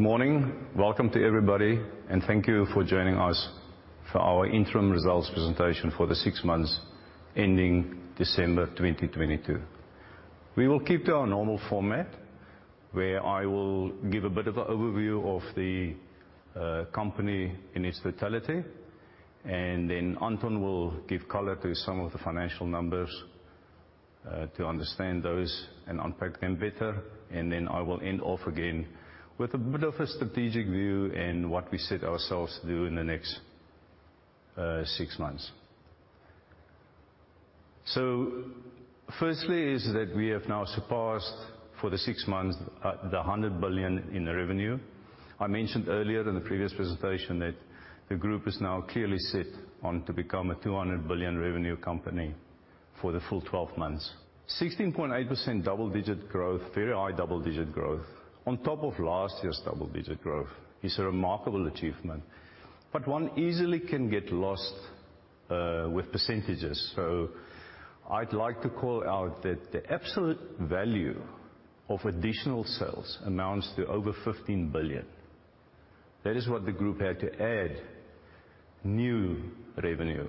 Good morning. Welcome to everybody, and thank you for joining us for our interim results presentation for the six months ending December 2022. We will keep to our normal format, where I will give a bit of an overview of the company in its totality, and then Anton will give color to some of the financial numbers to understand those and unpack them better. I will end off again with a bit of a strategic view and what we set ourselves to do in the next six months. Firstly is that we have now surpassed for the six months the 100 billion in revenue. I mentioned earlier in the previous presentation that the group is now clearly set on to become a 200 billion revenue company for the full 12 months. 16.8% double-digit growth, very high double-digit growth, on top of last year's double-digit growth is a remarkable achievement. One easily can get lost with percentages. I'd like to call out that the absolute value of additional sales amounts to over 15 billion. That is what the group had to add new revenue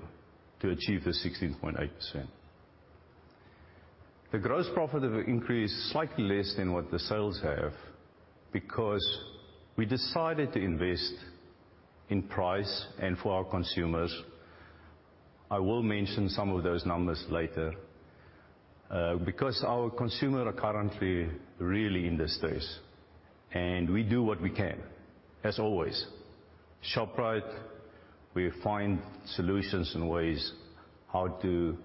to achieve the 16.8%. The gross profit have increased slightly less than what the sales have because we decided to invest in price and for our consumers. I will mention some of those numbers later. Because our consumer are currently really in the stress, and we do what we can, as always. Shoprite, we find solutions and ways how to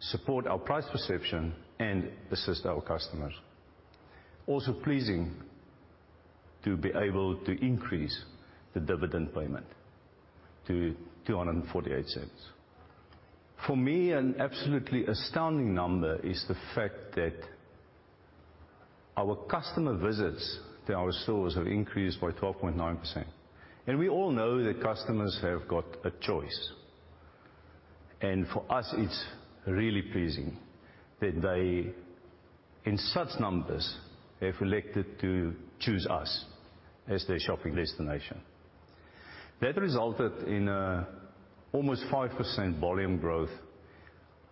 support our price perception and assist our customers. Also pleasing to be able to increase the dividend payment to 2.48. For me, an absolutely astounding number is the fact that our customer visits to our stores have increased by 12.9%. We all know that customers have got a choice. For us, it's really pleasing that they, in such numbers, have elected to choose us as their shopping destination. That resulted in almost 5% volume growth.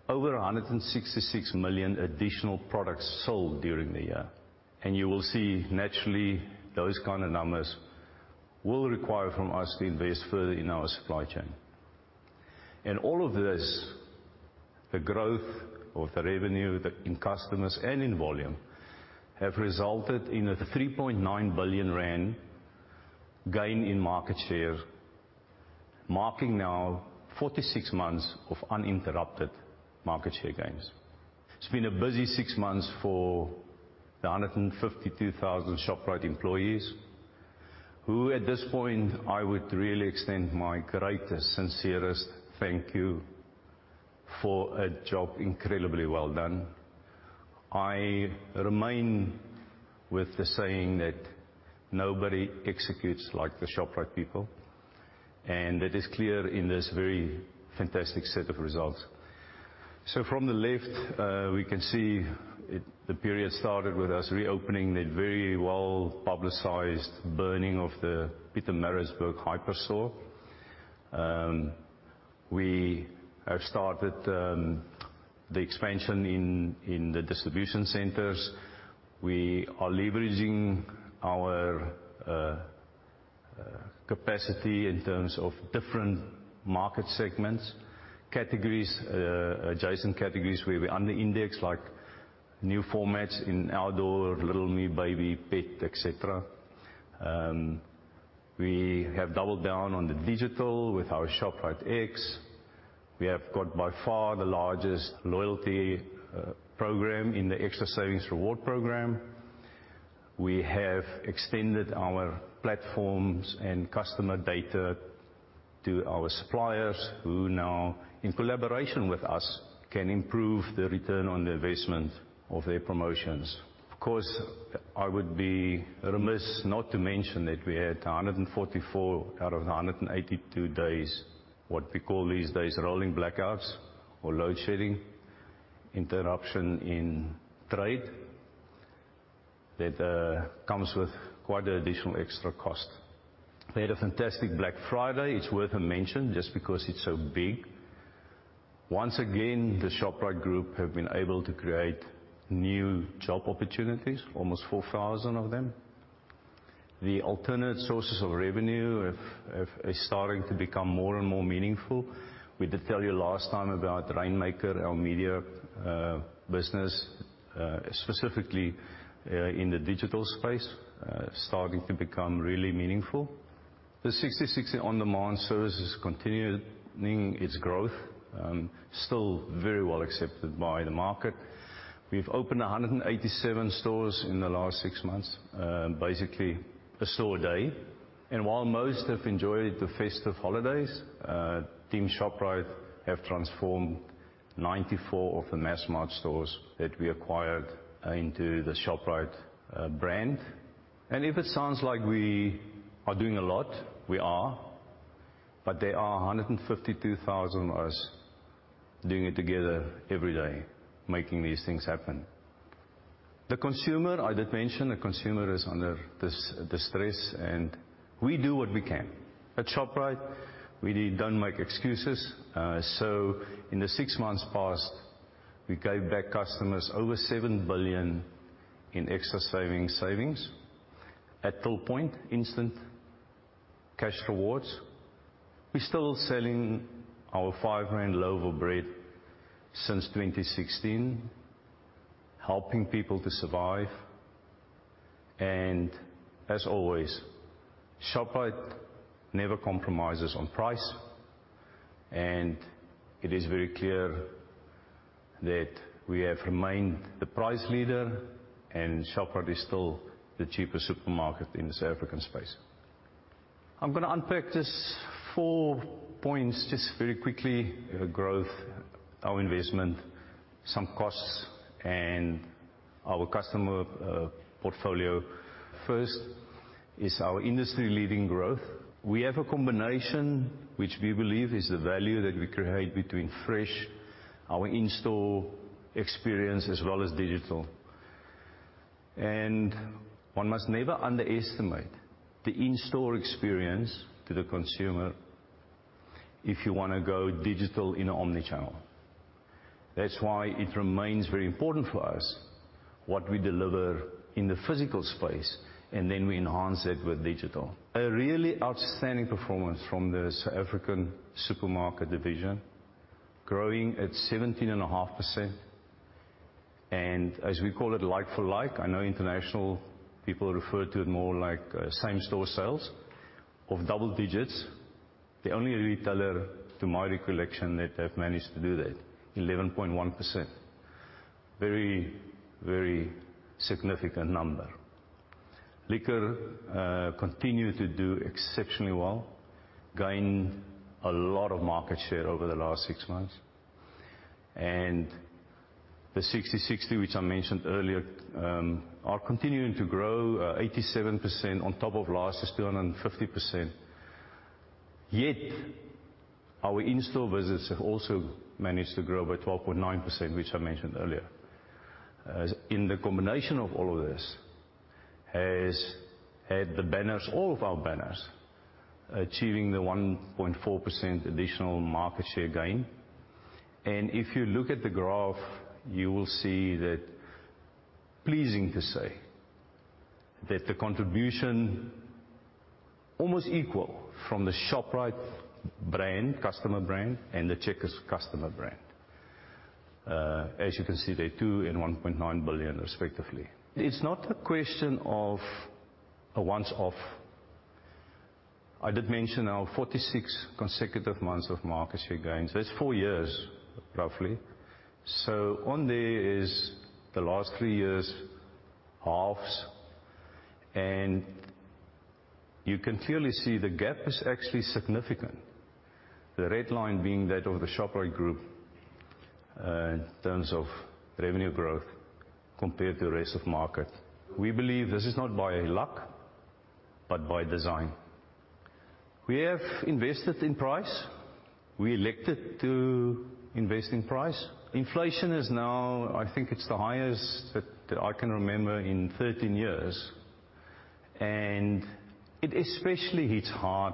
Over 166 million additional products sold during the year. You will see naturally those kind of numbers will require from us to invest further in our supply chain. All of this, the growth of the revenue in customers and in volume, have resulted in a 3.9 billion rand gain in market share, marking now 46 months of uninterrupted market share gains. It's been a busy six months for the 152,000 Shoprite employees, who at this point, I would really extend my greatest, sincerest thank you for a job incredibly well done. I remain with the saying that nobody executes like the Shoprite people. That is clear in this very fantastic set of results. From the left, we can see it, the period started with us reopening the very well-publicized burning of the Pietermaritzburg Hyper store. We have started the expansion in the distribution centers. We are leveraging our capacity in terms of different market segments, categories, adjacent categories where we under index like new formats in outdoor, Little Me, baby, pet, etc. We have doubled down on the digital with our ShopriteX. We have got by far the largest loyalty program in the Xtra Savings Reward program. We have extended our platforms and customer data to our suppliers who now, in collaboration with us, can improve the return on the investment of their promotions. I would be remiss not to mention that we had 144 out of 182 days what we call these days rolling blackouts or load shedding, interruption in trade that comes with quite an additional extra cost. We had a fantastic Black Friday. It's worth a mention just because it's so big. The Shoprite Group have been able to create new job opportunities, almost 4,000 of them. The alternate sources of revenue is starting to become more and more meaningful. We did tell you last time about Rainmaker, our media, business, specifically, in the digital space, starting to become really meaningful. The Sixty60 On-Demand service is continuing its growth, still very well accepted by the market. We've opened 187 stores in the last six months, basically a store a day. While most have enjoyed the festive holidays, Team Shoprite have transformed 94 of the Massmart stores that we acquired into the Shoprite brand. If it sounds like we are doing a lot, we are. There are 152,000 of us doing it together every day, making these things happen. The consumer, I did mention, the consumer is under distress, and we do what we can. At Shoprite, we don't make excuses. In the six months past, we gave back customers over 7 billion in Xtra Savings. At Tillpoint, instant cash rewards. We're still selling our 5 loaf of bread since 2016, helping people to survive. As always, Shoprite never compromises on price. It is very clear that we have remained the price leader, and Shoprite is still the cheapest supermarket in the South African space. I'm gonna unpack these four points just very quickly. We have growth, our investment, some costs, and our customer portfolio. First is our industry-leading growth. We have a combination which we believe is the value that we create between fresh, our in-store experience, as well as digital. One must never underestimate the in-store experience to the consumer if you wanna go digital in omnichannel. That's why it remains very important for us what we deliver in the physical space, then we enhance it with digital. A really outstanding performance from the South African supermarket division, growing at 17.5%. As we call it like-for-like, I know international people refer to it more like, same-store sales, of double digits. The only retailer, to my recollection, that have managed to do that, 11.1%. Very, very significant number. Liquor continued to do exceptionally well, gain a lot of market share over the last six months. The Sixty60, which I mentioned earlier, are continuing to grow, 87% on top of last year's 250%. Our in-store visits have also managed to grow by 12.9%, which I mentioned earlier. In the combination of all of this has had the banners, all of our banners, achieving the 1.4% additional market share gain. If you look at the graph, you will see that pleasing to say that the contribution almost equal from the Shoprite brand, customer brand, and the Checkers customer brand. As you can see, they're 2 billion and 1.9 billion respectively. It's not a question of a once off. I did mention our 46 consecutive months of market share gains. That's four years, roughly. On there is the last three years' halves, and you can clearly see the gap is actually significant. The red line being that of the Shoprite Group, in terms of revenue growth compared to the rest of market. We believe this is not by luck, but by design. We have invested in price. We elected to invest in price. Inflation is now, I think it's the highest that I can remember in 13 years. It especially hits hard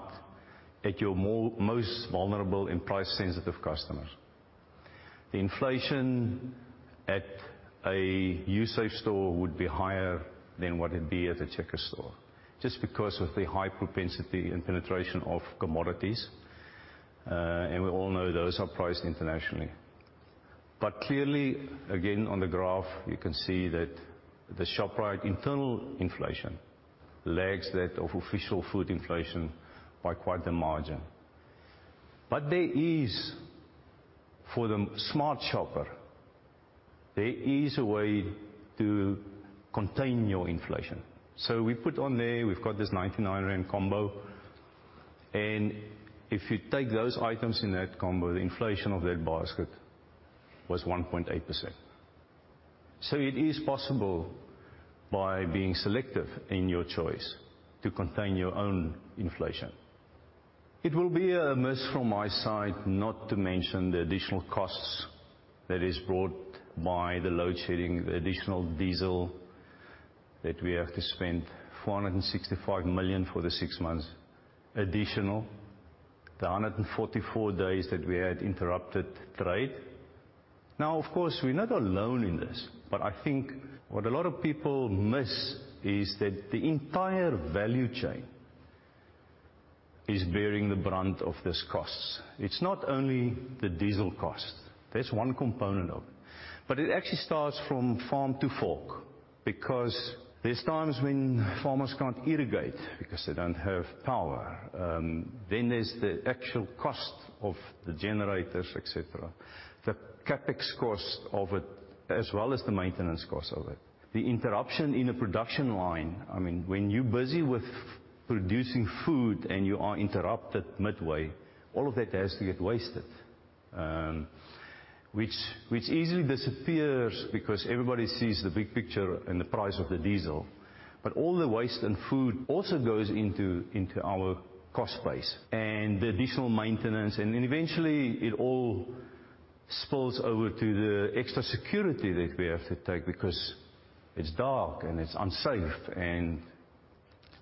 at your more, most vulnerable and price-sensitive customers. The inflation at a Usave store would be higher than what it'd be at a Checkers store, just because of the high propensity and penetration of commodities. We all know those are priced internationally. Clearly, again, on the graph, you can see that the Shoprite internal inflation lags that of official food inflation by quite the margin. There is, for the smart shopper, there is a way to contain your inflation. We put on there, we've got this 99 rand combo. If you take those items in that combo, the inflation of that basket was 1.8%. It is possible, by being selective in your choice, to contain your own inflation. It will be a miss from my side not to mention the additional costs that is brought by the load shedding, the additional diesel that we have to spend, 465 million for the six months additional. The 144 days that we had interrupted trade. Of course, we're not alone in this, but I think what a lot of people miss is that the entire value chain is bearing the brunt of this cost. It's not only the diesel cost. That's one component of it. It actually starts from farm to fork because there's times when farmers can't irrigate because they don't have power. There's the actual cost of the generators, et cetera. The CapEx cost of it, as well as the maintenance cost of it. The interruption in the production line, I mean, when you're busy with producing food and you are interrupted midway, all of that has to get wasted. Which easily disappears because everybody sees the big picture and the price of the diesel. All the waste and food also goes into our cost base, and the additional maintenance, and then eventually it all spills over to the extra security that we have to take because it's dark and it's unsafe, and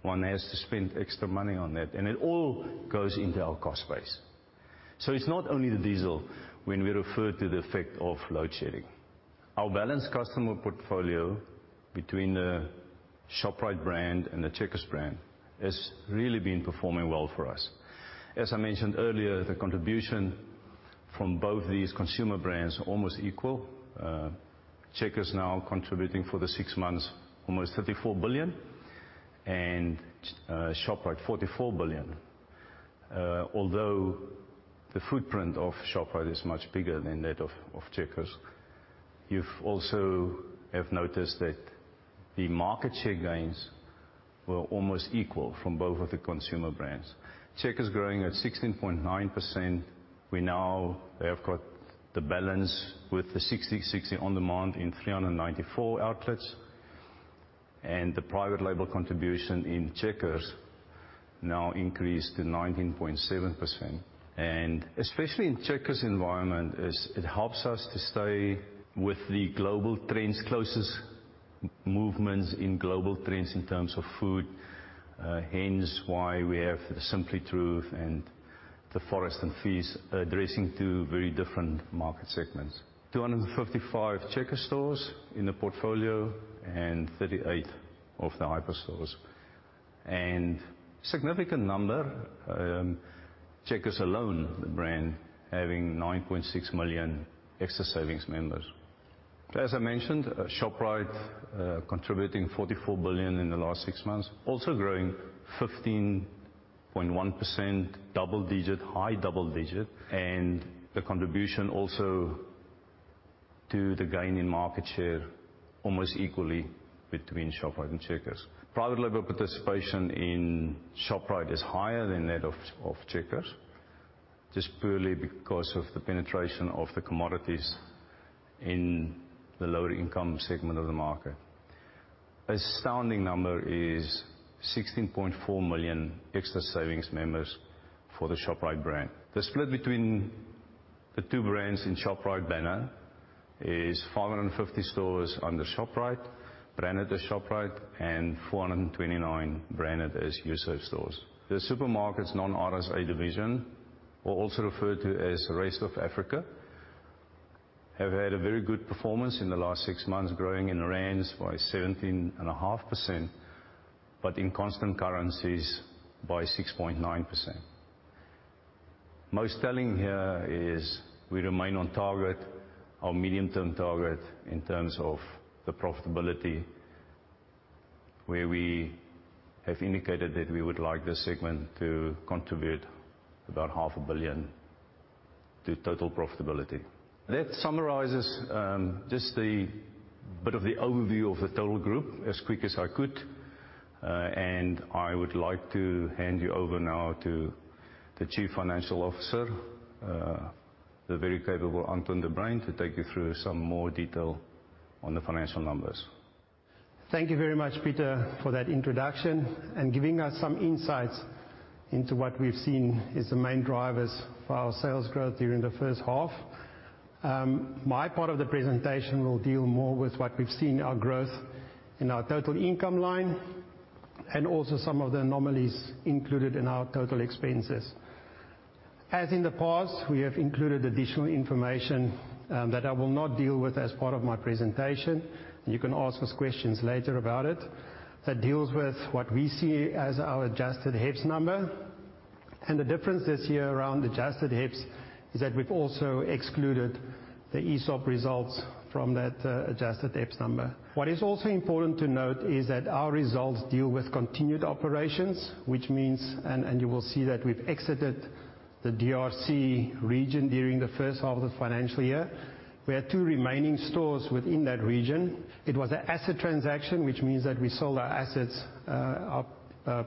one has to spend extra money on that, and it all goes into our cost base. It's not only the diesel when we refer to the effect of load shedding. Our balanced customer portfolio between the Shoprite brand and the Checkers brand has really been performing well for us. As I mentioned earlier, the contribution from both these consumer brands are almost equal. Checkers now contributing for the six months, almost 34 billion and Shoprite 44 billion. Although the footprint of Shoprite is much bigger than that of Checkers. You've also have noticed that the market share gains were almost equal from both of the consumer brands. Checkers growing at 16.9%. We now have got the balance with the Sixty60 on the month in 394 outlets, and the private label contribution in Checkers now increased to 19.7%. Especially in Checkers environment is it helps us to stay with the global trends, closest movements in global trends in terms of food. Hence why we have the Simple Truth and the Forage and Feast addressing two very different market segments. 255 Checkers stores in the portfolio and 38 of the hyper stores. Significant number, Checkers alone, the brand, having 9.6 million Xtra Savings members. As I mentioned, Shoprite contributing 44 billion in the last six months, also growing 15.1%, double digit, high double digit. The contribution also to the gain in market share almost equally between Shoprite and Checkers. Private label participation in Shoprite is higher than that of Checkers, just purely because of the penetration of the commodities in the lower income segment of the market. Astounding number is 16.4 million Xtra Savings members for the Shoprite brand. The split between the two brands in Shoprite banner is 550 stores under Shoprite, branded as Shoprite, and 429 branded as Usave stores. The supermarket's non-RSA division, or also referred to as rest of Africa, have had a very good performance in the last six months, growing in ZAR by 17.5%, but in constant currencies by 6.9%. Most telling here is we remain on target, our medium-term target in terms of the profitability, where we have indicated that we would like this segment to contribute about half a billion to total profitability. That summarizes just the bit of the overview of the total group as quick as I could. I would like to hand you over now to the Chief Financial Officer, the very capable Anton de Bruyn, to take you through some more detail on the financial numbers. Thank you very much, Pieter, for that introduction and giving us some insights into what we've seen is the main drivers for our sales growth during the first half. My part of the presentation will deal more with what we've seen, our growth in our total income line and also some of the anomalies included in our total expenses. As in the past, we have included additional information, that I will not deal with as part of my presentation. You can ask us questions later about it. That deals with what we see as our adjusted HEPS number. The difference this year around adjusted HEPS is that we've also excluded the ESOP results from that, adjusted HEPS number. What is also important to note is that our results deal with continued operations, which means... You will see that we've exited the DRC region during the first half of the financial year. We had two remaining stores within that region. It was an asset transaction, which means that we sold our assets, our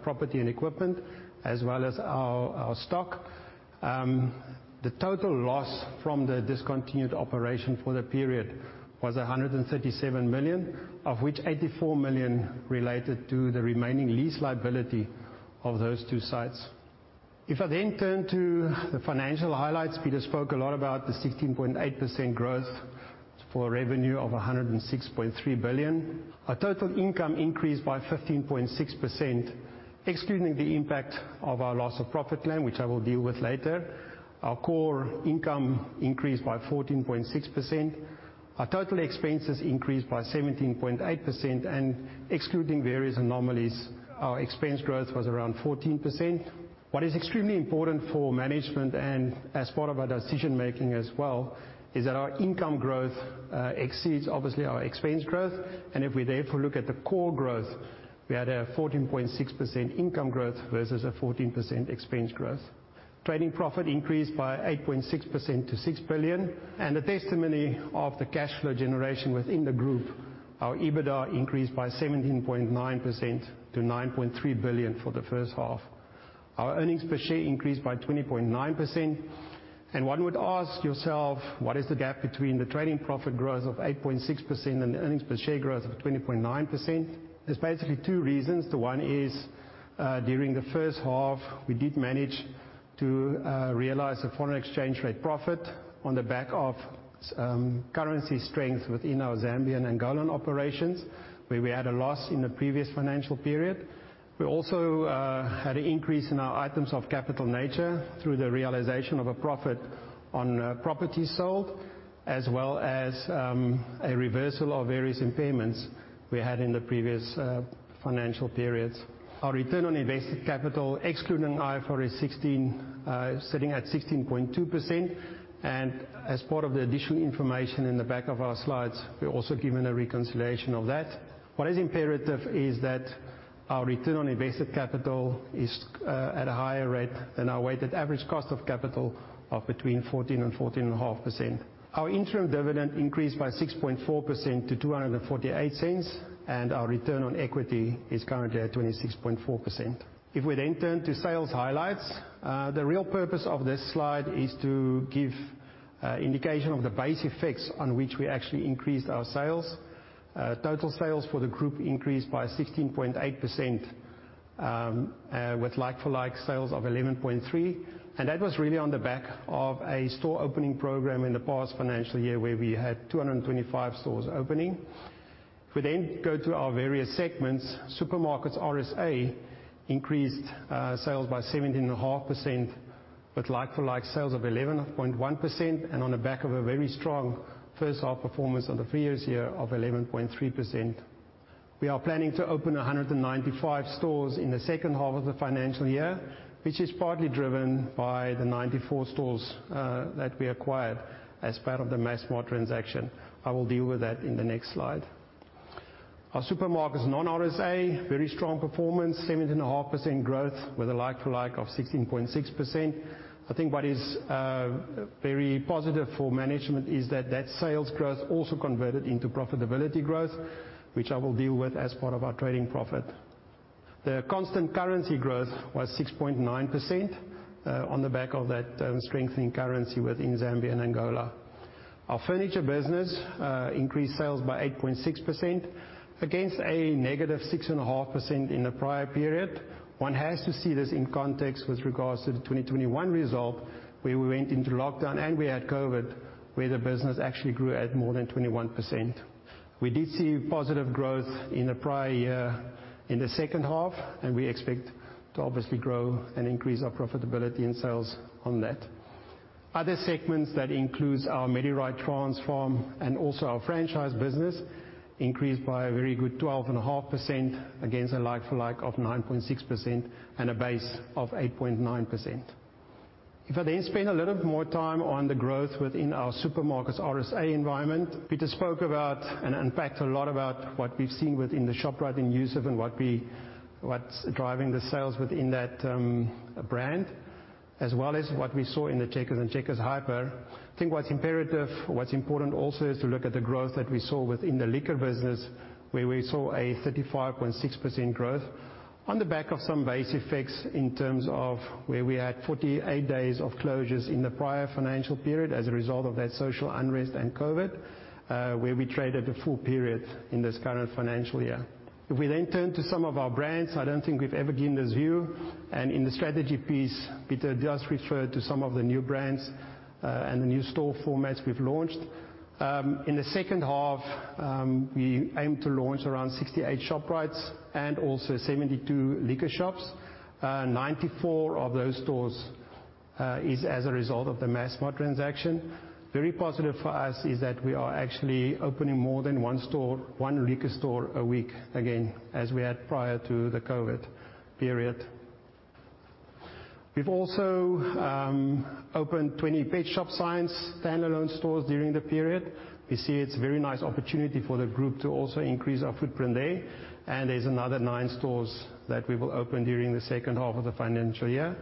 property and equipment, as well as our stock. The total loss from the discontinued operation for the period was 137 million, of which 84 million related to the remaining lease liability of those two sites. I then turn to the financial highlights, Pieter spoke a lot about the 16.8% growth for revenue of 106.3 billion. Our total income increased by 15.6%, excluding the impact of our loss of profit claim, which I will deal with later. Our core income increased by 14.6%. Our total expenses increased by 17.8%. Excluding various anomalies, our expense growth was around 14%. What is extremely important for management and as part of our decision making as well, is that our income growth exceeds obviously our expense growth. If we therefore look at the core growth, we had a 14.6% income growth versus a 14% expense growth. Trading profit increased by 8.6% to 6 billion. A testimony of the cash flow generation within the group, our EBITDA increased by 17.9% to 9.3 billion for the first half. Our earnings per share increased by 20.9%. One would ask yourself, what is the gap between the trading profit growth of 8.6% and the earnings per share growth of 20.9%? There's basically two reasons. The one is, during the first half, we did manage to realize a foreign exchange rate profit on the back of currency strength within our Zambian and Angolan operations, where we had a loss in the previous financial period. We also had an increase in our items of capital nature through the realization of a profit on property sold, as well as a reversal of various impairments we had in the previous financial periods. Our return on invested capital, excluding IFRS 16, sitting at 16.2%. As part of the additional information in the back of our slides, we're also given a reconciliation of that. What is imperative is that our return on invested capital is at a higher rate than our weighted average cost of capital of between 14% and 14.5%. Our interim dividend increased by 6.4% to 2.48, and our return on equity is currently at 26.4%. If we turn to sales highlights, the real purpose of this slide is to give indication of the base effects on which we actually increased our sales. Total sales for the group increased by 16.8%, with like-for-like sales of 11.3%. That was really on the back of a store opening program in the past financial year where we had 225 stores opening. If we go to our various segments, supermarkets RSA increased sales by 17.5% with like-for-like sales of 11.1% and on the back of a very strong first half performance on the previous year of 11.3%. We are planning to open 195 stores in the second half of the financial year, which is partly driven by the 94 stores that we acquired as part of the Massmart transaction. I will deal with that in the next slide. Our supermarkets, non-RSA, very strong performance, 17.5% growth with a like-for-like of 16.6%. I think what is very positive for management is that that sales growth also converted into profitability growth, which I will deal with as part of our trading profit. The constant currency growth was 6.9% on the back of that strengthening currency within Zambia and Angola. Our furniture business increased sales by 8.6% against a negative 6.5% in the prior period. One has to see this in context with regards to the 2021 result, where we went into lockdown and we had COVID, where the business actually grew at more than 21%. We did see positive growth in the prior year in the second half, and we expect to obviously grow and increase our profitability and sales on that. Other segments that includes our MediRite, Transpharm, and also our franchise business increased by a very good 12 and a half percent against a like-for-like of 9.6% and a base of 8.9%. I then spend a little bit more time on the growth within our supermarkets RSA environment, Pieter spoke about and unpacked a lot about what we've seen within the Shoprite and Usave and what's driving the sales within that brand, as well as what we saw in the Checkers and Checkers Hyper. I think what's imperative, what's important also is to look at the growth that we saw within the liquor business, where we saw a 35.6% growth on the back of some base effects in terms of where we had 48 days of closures in the prior financial period as a result of that social unrest and COVID, where we traded the full period in this current financial year. We then turn to some of our brands, I don't think we've ever given this view. In the strategy piece, Pieter just referred to some of the new brands and the new store formats we've launched. In the second half, we aim to launch around 68 Shoprites and also 72 liquor shops. 94 of those stores is as a result of the Massmart transaction. Very positive for us is that we are actually opening more than one store, one liquor store a week again, as we had prior to the COVID period. We've also opened 20 Petshop Science standalone stores during the period. We see it's a very nice opportunity for the group to also increase our footprint there. There's another nine stores that we will open during the second half of the financial year.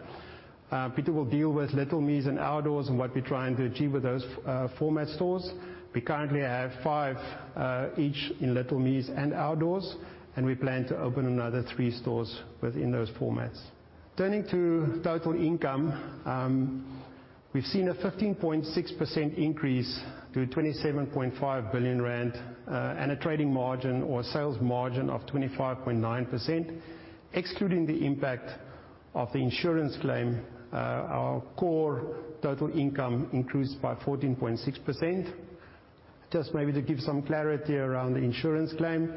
Pieter will deal with Little Me's and Outdoors and what we're trying to achieve with those format stores. We currently have five each in Little Me's and Outdoors, and we plan to open another three stores within those formats. Turning to total income, we've seen a 15.6% increase to 27.5 billion rand, and a trading margin or sales margin of 25.9%. Excluding the impact of the insurance claim, our core total income increased by 14.6%. Just maybe to give some clarity around the insurance claim,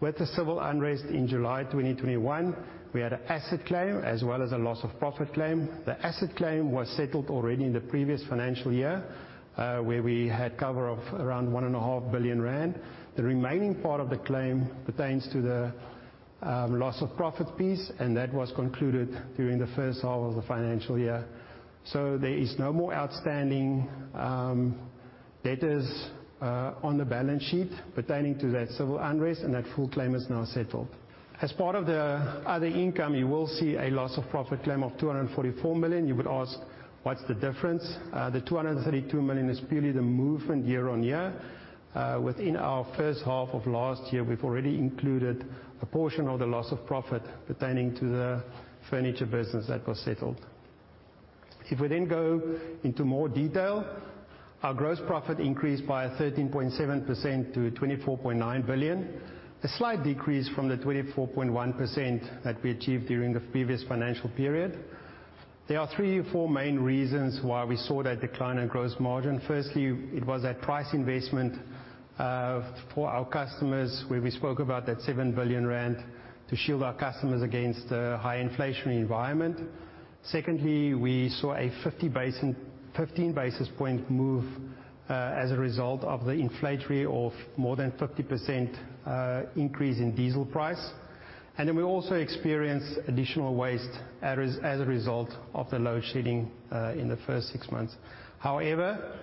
with the civil unrest in July 2021, we had an asset claim as well as a loss of profit claim. The asset claim was settled already in the previous financial year, where we had cover of around one and a half billion rand. The remaining part of the claim pertains to the loss of profit piece, and that was concluded during the first half of the financial year. There is no more outstanding debtors on the balance sheet pertaining to that civil unrest, and that full claim is now settled. As part of the other income, you will see a loss of profit claim of 244 million. You would ask, what's the difference? The 232 million is purely the movement year-over-year. Within our first half of last year, we've already included a portion of the loss of profit pertaining to the furniture business that was settled. If we then go into more detail, our gross profit increased by 13.7% to 24.9 billion, a slight decrease from the 24.1% that we achieved during the previous financial period. There are three or four main reasons why we saw that decline in gross margin. Firstly, it was that price investment for our customers, where we spoke about that 7 billion rand to shield our customers against the high inflationary environment. Secondly, we saw a 15 basis point move as a result of the inflationary of more than 50% increase in diesel price. We also experienced additional waste as a result of the load shedding in the first six months. However,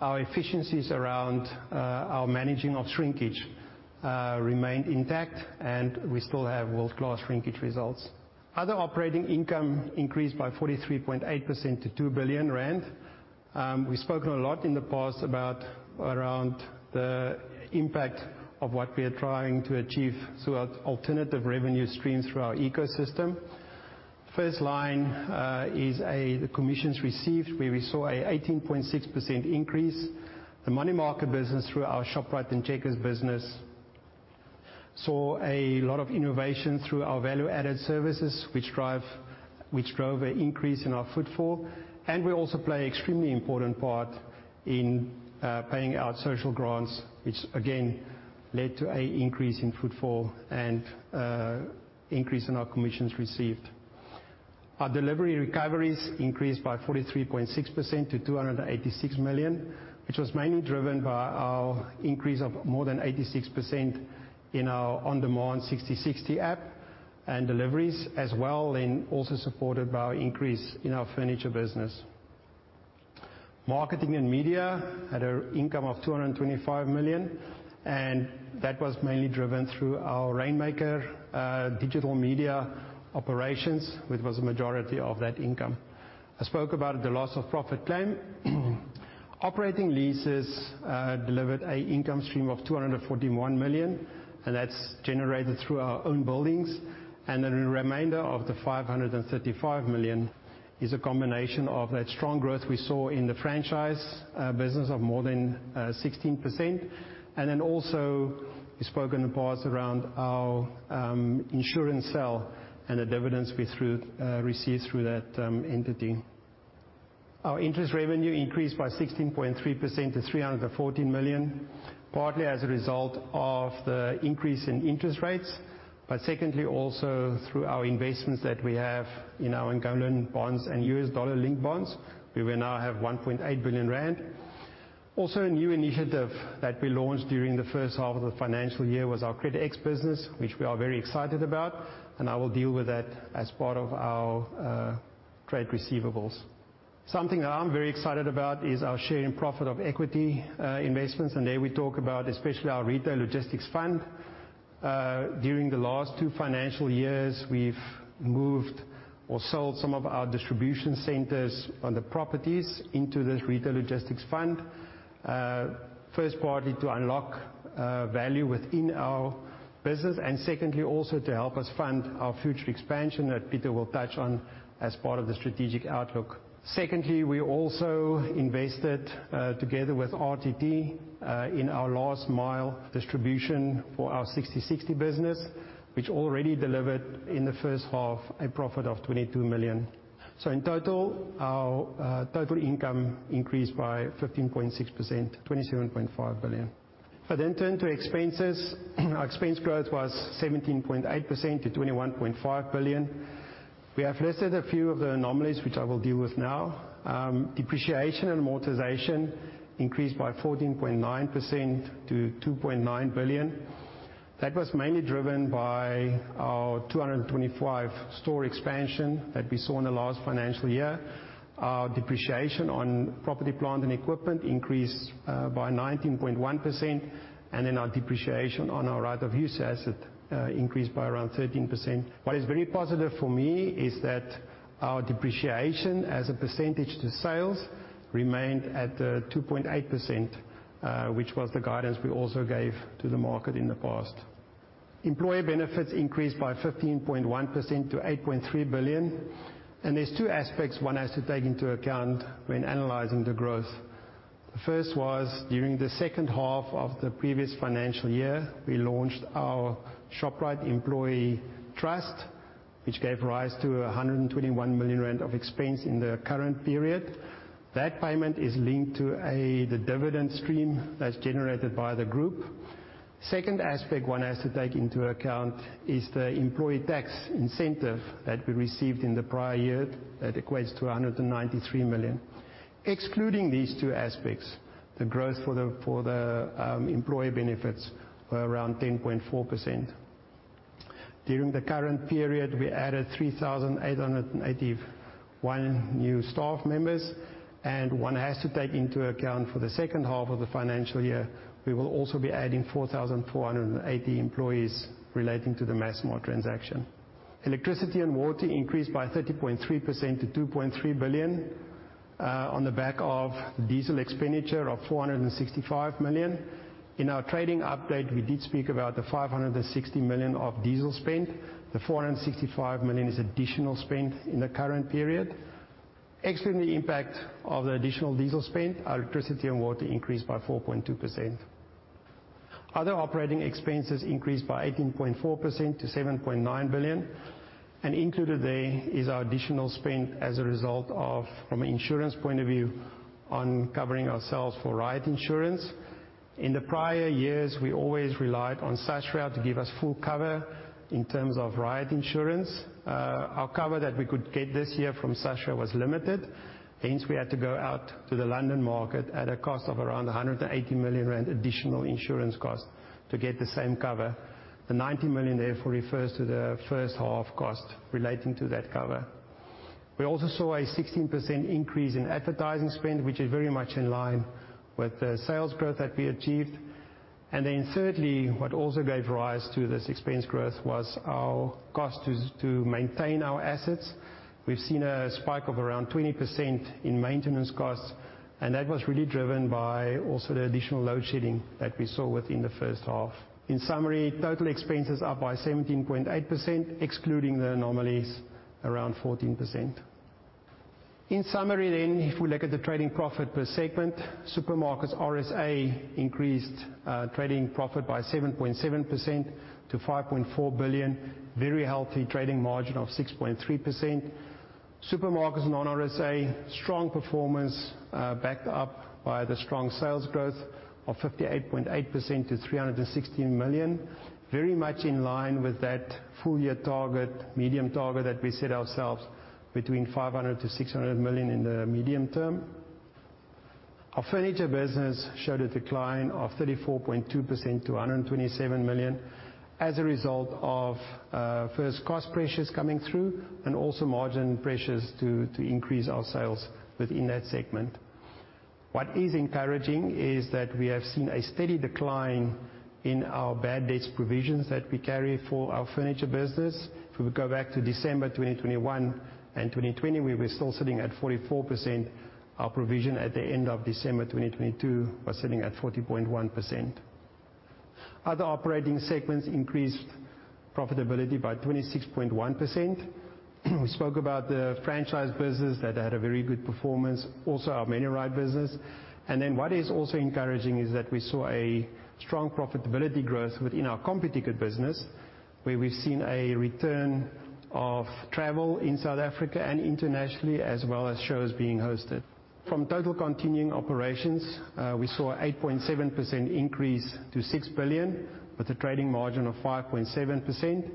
our efficiencies around our managing of shrinkage remained intact, and we still have world-class shrinkage results. Other operating income increased by 43.8% to 2 billion rand. We've spoken a lot in the past about around the impact of what we are trying to achieve through our alternative revenue streams through our ecosystem. First line is the commissions received, where we saw an 18.6% increase. The money market business through our Shoprite and Checkers business saw a lot of innovation through our value-added services which drove an increase in our footfall. We also play extremely important part in paying out social grants, which again led to an increase in footfall and increase in our commissions received. Our delivery recoveries increased by 43.6% to 286 million, which was mainly driven by our increase of more than 86% in our on-demand Sixty60 app and deliveries as well, and also supported by our increase in our furniture business. Marketing and media had an income of 225 million, and that was mainly driven through our Rainmaker digital media operations, which was a majority of that income. I spoke about the loss of profit claim. Operating leases delivered an income stream of 241 million, and that's generated through our own buildings. The remainder of the 535 million is a combination of that strong growth we saw in the franchise business of more than 16%. We spoke in the past around our insurance sell and the dividends we received through that entity. Our interest revenue increased by 16.3% to 314 million, partly as a result of the increase in interest rates, but secondly also through our investments that we have in our income bonds and U.S. dollar-linked bonds, where we now have 1.8 billion rand. A new initiative that we launched during the first half of the financial year was our Credit X business, which we are very excited about, and I will deal with that as part of our trade receivables. Something that I'm very excited about is our share in profit of equity investments, and there we talk about especially our Retail Logistics Fund. During the last two financial years, we've moved or sold some of our distribution centers on the properties into this Retail Logistics Fund. First, partly to unlock value within our business, and secondly also to help us fund our future expansion that Pieter will touch on as part of the strategic outlook. We also invested together with RTT in our last mile distribution for our Sixty60 business, which already delivered in the first half a profit of 22 million. In total, our total income increased by 15.6%, 27.5 billion. If I then turn to expenses, our expense growth was 17.8% to 21.5 billion. We have listed a few of the anomalies which I will deal with now. Depreciation and amortization increased by 14.9% to 2.9 billion. That was mainly driven by our 225 store expansion that we saw in the last financial year. Our depreciation on property, plant, and equipment increased by 19.1%, and then our depreciation on our Right-of-Use Asset increased by around 13%. What is very positive for me is that our depreciation as a percentage to sales remained at 2.8%, which was the guidance we also gave to the market in the past. Employee benefits increased by 15.1% to 8.3 billion. There's two aspects one has to take into account when analyzing the growth. The first was during the second half of the previous financial year, we launched our Shoprite Employee Trust, which gave rise to 121 million rand of expense in the current period. That payment is linked to a, the dividend stream that's generated by the group. Second aspect one has to take into account is the Employment Tax Incentive that we received in the prior year that equates to 193 million. Excluding these two aspects, the growth for the employee benefits were around 10.4%. During the current period, we added 3,881 new staff members. One has to take into account for the second half of the financial year, we will also be adding 4,480 employees relating to the Massmart transaction. Electricity and water increased by 30.3% to 2.3 billion. On the back of diesel expenditure of 465 million. In our trading update, we did speak about the 560 million of diesel spend. The 465 million is additional spend in the current period. Excluding the impact of the additional diesel spend, electricity and water increased by 4.2%. Other operating expenses increased by 18.4% to 7.9 billion. Included there is our additional spend as a result of, from an insurance point of view, on covering ourselves for riot insurance. In the prior years, we always relied on Sasria to give us full cover in terms of riot insurance. Our cover that we could get this year from Sasria was limited. Hence, we had to go out to the London market at a cost of around 180 million rand additional insurance cost to get the same cover. The 90 million, therefore, refers to the first half cost relating to that cover. We also saw a 16% increase in advertising spend, which is very much in line with the sales growth that we achieved. Thirdly, what also gave rise to this expense growth was our cost to maintain our assets. We've seen a spike of around 20% in maintenance costs, and that was really driven by also the additional load shedding that we saw within the first half. In summary, total expenses up by 17.8%, excluding the anomalies, around 14%. In summary, if we look at the trading profit per segment, supermarkets RSA increased trading profit by 7.7% to 5.4 billion. Very healthy trading margin of 6.3%. Supermarkets non-RSA, strong performance, backed up by the strong sales growth of 58.8% to 316 million. Very much in line with that full year target, medium target that we set ourselves between 500 million-600 million in the medium term. Our furniture business showed a decline of 34.2% to 127 million as a result of first, cost pressures coming through and also margin pressures to increase our sales within that segment. What is encouraging is that we have seen a steady decline in our bad debts provisions that we carry for our furniture business. If we go back to December 2021 and 2020, we were still sitting at 44%. Our provision at the end of December 2022 was sitting at 40.1%. Other operating segments increased profitability by 26.1%. We spoke about the franchise business that had a very good performance, also our MediRite business. What is also encouraging is that we saw a strong profitability growth within our Computicket business, where we've seen a return of travel in South Africa and internationally, as well as shows being hosted. From total continuing operations, we saw an 8.7% increase to 6 billion with a trading margin of 5.7%.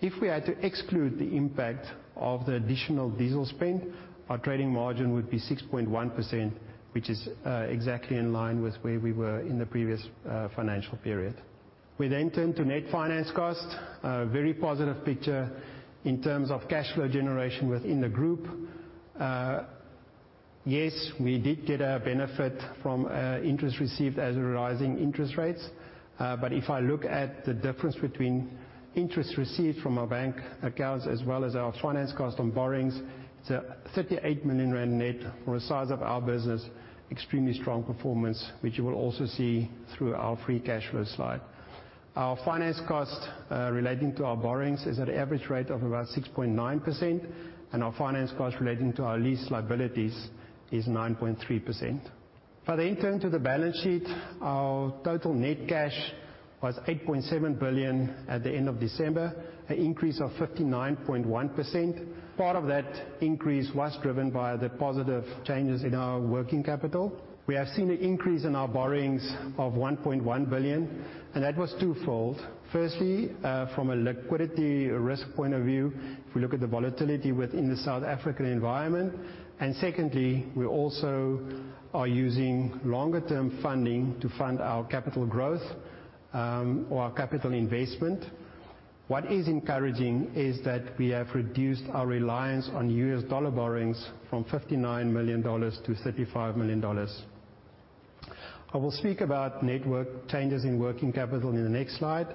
If we had to exclude the impact of the additional diesel spend, our trading margin would be 6.1%, which is exactly in line with where we were in the previous financial period. We turn to net finance cost. A very positive picture in terms of cash flow generation within the group. Yes, we did get a benefit from interest received as rising interest rates. If I look at the difference between interest received from our bank accounts as well as our finance cost on borrowings, it's a 38 million rand net. For the size of our business, extremely strong performance, which you will also see through our free cash flow slide. Our finance cost relating to our borrowings is at an average rate of about 6.9%, and our finance cost relating to our lease liabilities is 9.3%. If I then turn to the balance sheet, our total net cash was 8.7 billion at the end of December, an increase of 59.1%. Part of that increase was driven by the positive changes in our working capital. We have seen an increase in our borrowings of 1.1 billion, and that was twofold. Firstly, from a liquidity risk point of view, if we look at the volatility within the South African environment. Secondly, we also are using longer term funding to fund our capital growth or our capital investment. What is encouraging is that we have reduced our reliance on U.S. dollar borrowings from $59 million to $35 million. I will speak about net work changes in working capital in the next slide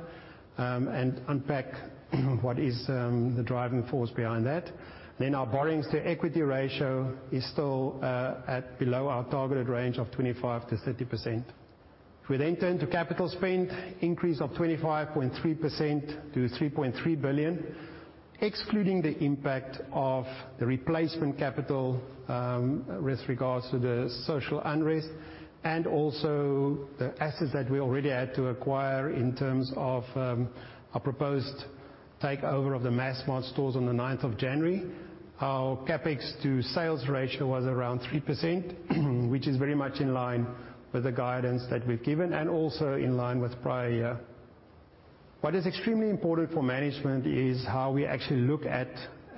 and unpack what is the driving force behind that. Our borrowings to equity ratio is still at below our targeted range of 25%-30%. We then turn to capital spend, increase of 25.3% to 3.3 billion, excluding the impact of the replacement capital, with regards to the social unrest and also the assets that we already had to acquire in terms of our proposed takeover of the Massmart stores on the 9th of January. Our CapEx to sales ratio was around 3%, which is very much in line with the guidance that we've given and also in line with prior year. What is extremely important for management is how we actually look at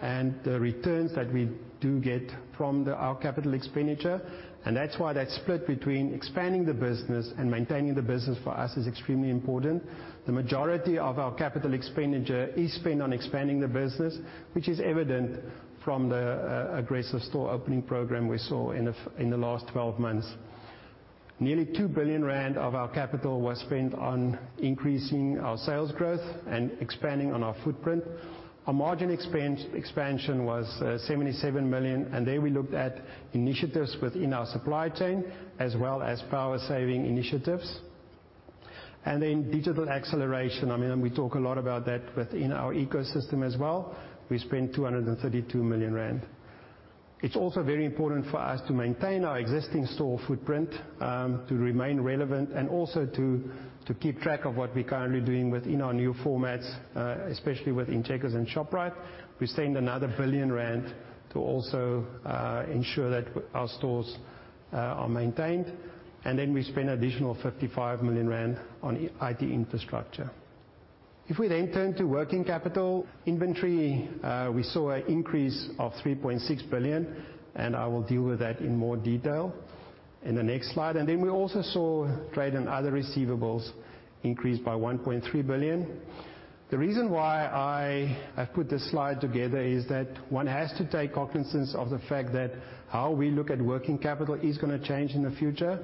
and the returns that we do get from our capital expenditure. That's why that split between expanding the business and maintaining the business for us is extremely important. The majority of our capital expenditure is spent on expanding the business, which is evident from the aggressive store opening program we saw in the last 12 months. Nearly 2 billion rand of our capital was spent on increasing our sales growth and expanding on our footprint. Our margin expense expansion was 77 million, there we looked at initiatives within our supply chain as well as power-saving initiatives. Digital acceleration, I mean, we talk a lot about that within our ecosystem as well. We spent 232 million rand. It's also very important for us to maintain our existing store footprint to remain relevant and also to keep track of what we're currently doing within our new formats, especially with Checkers and Shoprite. We stand another 1 billion rand to also ensure that our stores are maintained. We spend additional 55 million rand on IT infrastructure. We turn to working capital inventory. We saw an increase of 3.6 billion. I will deal with that in more detail in the next slide. We also saw trade and other receivables increase by 1.3 billion. The reason why I've put this slide together is that one has to take cognizance of the fact that how we look at working capital is going to change in the future.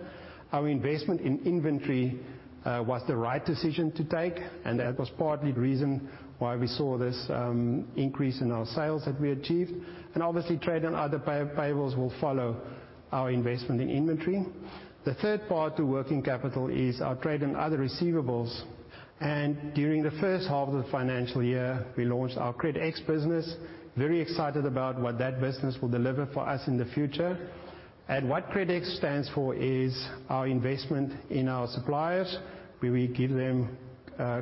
Our investment in inventory was the right decision to take. That was partly the reason why we saw this increase in our sales that we achieved. Obviously, trade and other payables will follow our investment in inventory. The third part to working capital is our trade and other receivables. During the first half of the financial year, we launched our CredX business. Very excited about what that business will deliver for us in the future. What CredX stands for is our investment in our suppliers, where we give them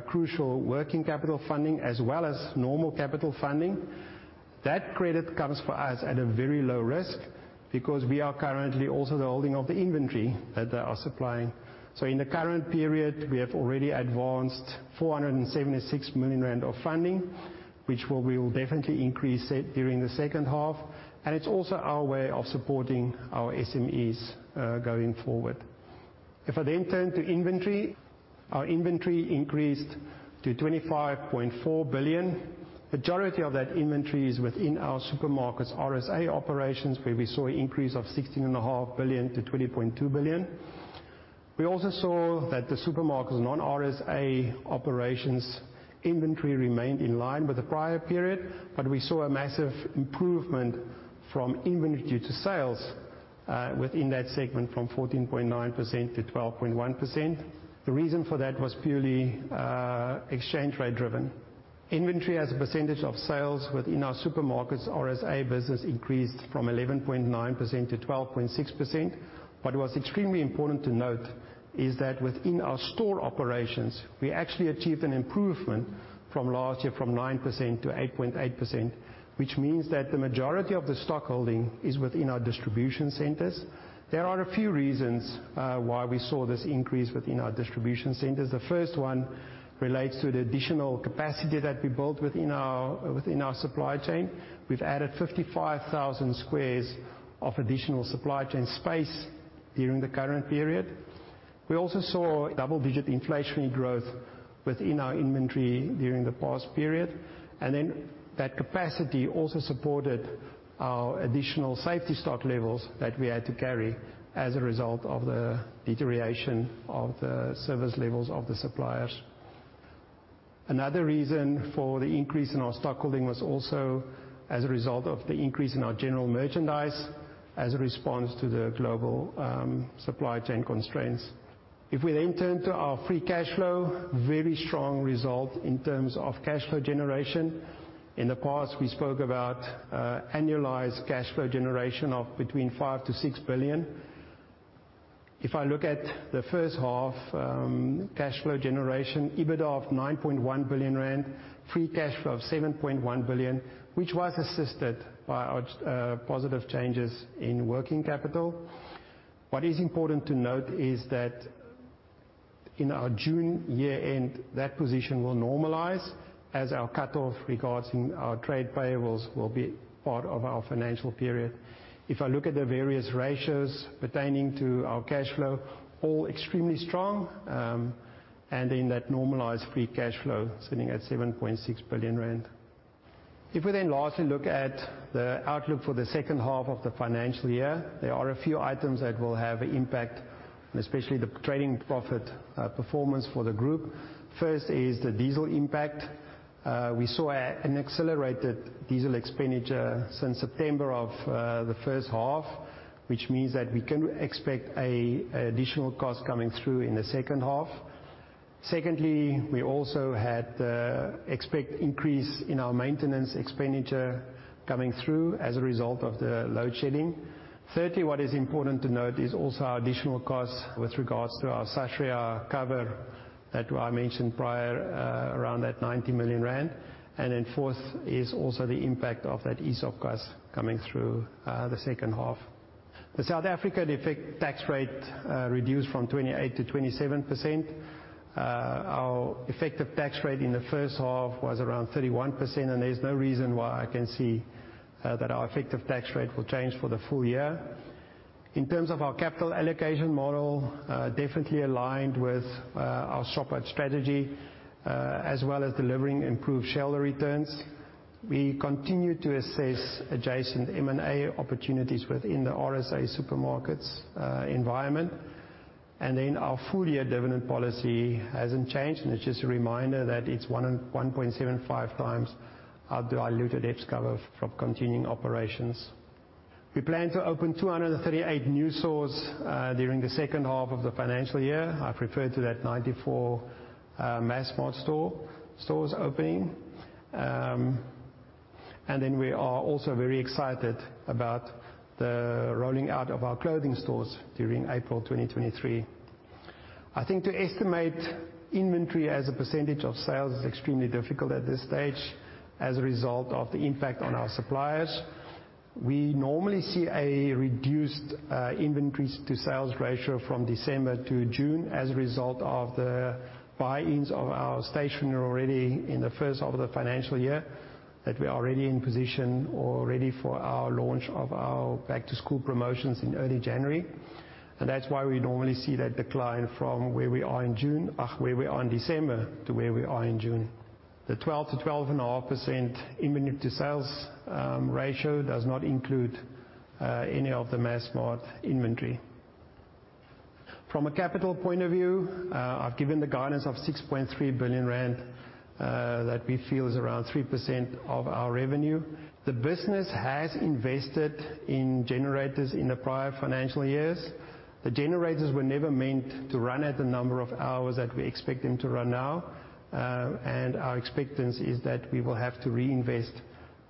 crucial working capital funding as well as normal capital funding. That credit comes for us at a very low risk because we are currently also the holding of the inventory that they are supplying. In the current period, we have already advanced 476 million rand of funding, which we will definitely increase it during the second half. It's also our way of supporting our SMEs going forward. If I turn to inventory, our inventory increased to 25.4 billion. Majority of that inventory is within our supermarkets RSA operations, where we saw an increase of 16.5 billion to 20.2 billion. We also saw that the supermarkets non-RSA operations inventory remained in line with the prior period. We saw a massive improvement from inventory to sales within that segment from 14.9% to 12.1%. The reason for that was purely exchange rate-driven. Inventory as a percentage of sales within our supermarkets RSA business increased from 11.9% to 12.6%. What was extremely important to note is that within our store operations, we actually achieved an improvement from last year from 9% to 8.8%, which means that the majority of the stock holding is within our distribution centers. There are a few reasons why we saw this increase within our distribution centers. The first one relates to the additional capacity that we built within our supply chain. We've added 55,000 squares of additional supply chain space during the current period. We also saw double-digit inflationary growth within our inventory during the past period. That capacity also supported our additional safety stock levels that we had to carry as a result of the deterioration of the service levels of the suppliers. Another reason for the increase in our stock holding was also as a result of the increase in our general merchandise as a response to the global supply chain constraints. If we then turn to our free cash flow, very strong result in terms of cash flow generation. In the past, we spoke about annualized cash flow generation of between 5 billion-6 billion. If I look at the first half, cash flow generation, EBITDA of 9.1 billion rand, free cash flow of 7.1 billion, which was assisted by our positive changes in working capital. What is important to note is that in our June year-end, that position will normalize as our cutoff regarding our trade payables will be part of our financial period. If I look at the various ratios pertaining to our cash flow, all extremely strong, and in that normalized free cash flow sitting at 7.6 billion rand. If we then lastly look at the outlook for the second half of the financial year, there are a few items that will have an impact, especially the trading profit performance for the group. First is the diesel impact. We saw an accelerated diesel expenditure since September of the first half, which means that we can expect an additional cost coming through in the second half. Secondly, we also had expect increase in our maintenance expenditure coming through as a result of the load shedding. Thirdly, what is important to note is also our additional costs with regards to our Sasria cover that I mentioned prior, around that 90 million rand. Fourth is also the impact of that Eskom cost coming through the second half. The South African effect tax rate reduced from 28% to 27%. Our effective tax rate in the first half was around 31%. There's no reason why I can see that our effective tax rate will change for the full year. In terms of our capital allocation model, definitely aligned with our Shoprite strategy, as well as delivering improved shareholder returns. We continue to assess adjacent M&A opportunities within the RSA supermarkets environment. Our full year dividend policy hasn't changed, and it's just a reminder that it's 1.75 times our diluted EPS cover from continuing operations. We plan to open 238 new stores during the second half of the financial year. I've referred to that 94 Massmart stores opening. We are also very excited about the rolling out of our clothing stores during April 2023. I think to estimate inventory as a % of sales is extremely difficult at this stage as a result of the impact on our suppliers. We normally see a reduced inventory to sales ratio from December to June as a result of the buy-ins of our stationery already in the first half of the financial year, that we are already in position or ready for our launch of our back to school promotions in early January. That's why we normally see that decline from where we are in June, where we are in December to where we are in June. The 12%-12.5% inventory sales ratio does not include any of the Massmart inventory. From a capital point of view, I've given the guidance of 6.3 billion rand that we feel is around 3% of our revenue. The business has invested in generators in the prior financial years. The generators were never meant to run at the number of hours that we expect them to run now. Our expectancy is that we will have to reinvest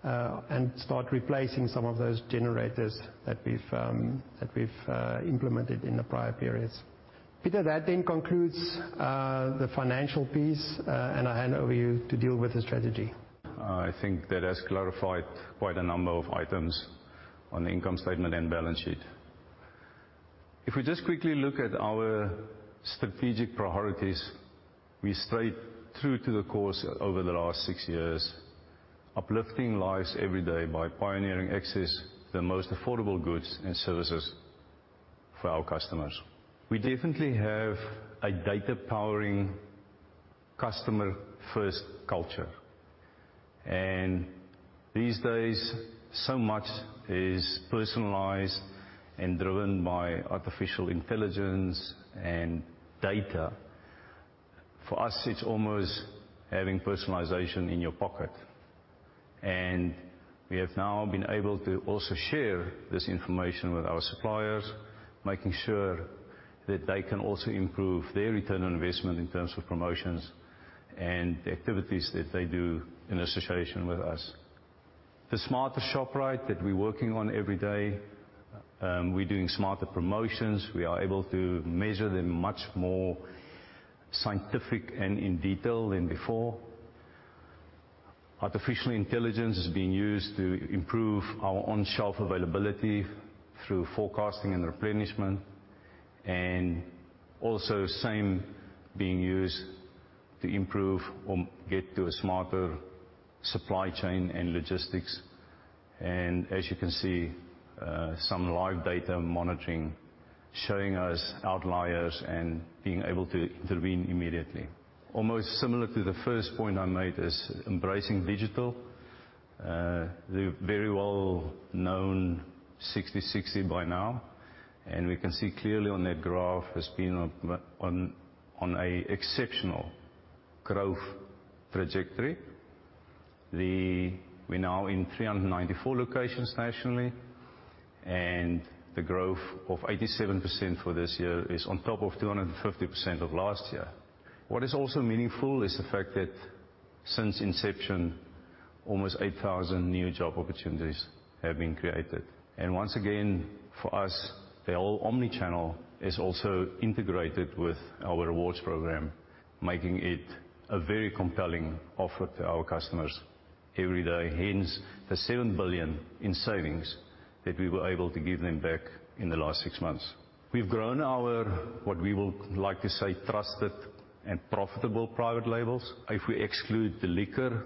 and start replacing some of those generators that we've implemented in the prior periods. Pieter, that then concludes the financial piece, I hand over you to deal with the strategy. I think that has clarified quite a number of items on the income statement and balance sheet. If we just quickly look at our strategic priorities, we stayed true to the course over the last six years, uplifting lives every day by pioneering access to the most affordable goods and services for our customers. We definitely have a data-powering customer-first culture. These days, so much is personalized and driven by artificial intelligence and data. For us, it's almost having personalization in your pocket. We have now been able to also share this information with our suppliers, making sure that they can also improve their return on investment in terms of promotions and the activities that they do in association with us. The smarter Shoprite that we're working on every day, we're doing smarter promotions. We are able to measure them much more scientific and in detail than before. Artificial intelligence is being used to improve our on-shelf availability through forecasting and replenishment, and also same being used to improve or get to a smarter supply chain and logistics. As you can see, some live data monitoring, showing us outliers and being able to intervene immediately. Almost similar to the first point I made is embracing digital. The very well-known Sixty60 by now, and we can see clearly on that graph has been on a exceptional growth trajectory. We're now in 394 locations nationally. The growth of 87% for this year is on top of 250% of last year. What is also meaningful is the fact that since inception, almost 8,000 new job opportunities have been created. Once again, for us, the whole omnichannel is also integrated with our rewards program, making it a very compelling offer to our customers every day. Hence, the 7 billion in savings that we were able to give them back in the last six months. We've grown our, what we will like to say, trusted and profitable private labels. If we exclude the liquor,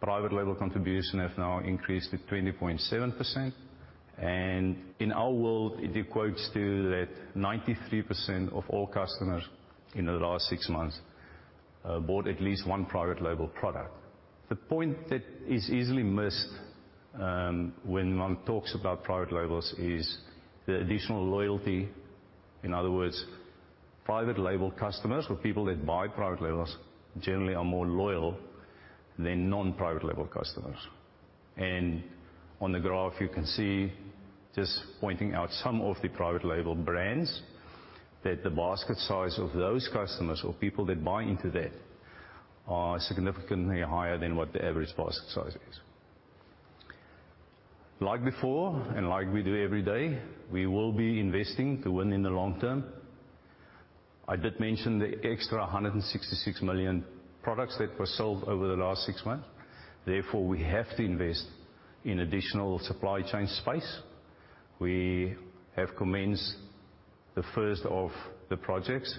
private label contribution has now increased to 20.7%. In our world, it equates to that 93% of all customers in the last six months bought at least one private label product. The point that is easily missed when one talks about private labels is the additional loyalty. In other words, private label customers or people that buy private labels generally are more loyal than non-private label customers. On the graph, you can see, just pointing out some of the private label brands, that the basket size of those customers or people that buy into that are significantly higher than what the average basket size is. Like before, and like we do every day, we will be investing to win in the long term. I did mention the extra 166 million products that were sold over the last six months. Therefore, we have to invest in additional supply chain space. We have commenced the first of the projects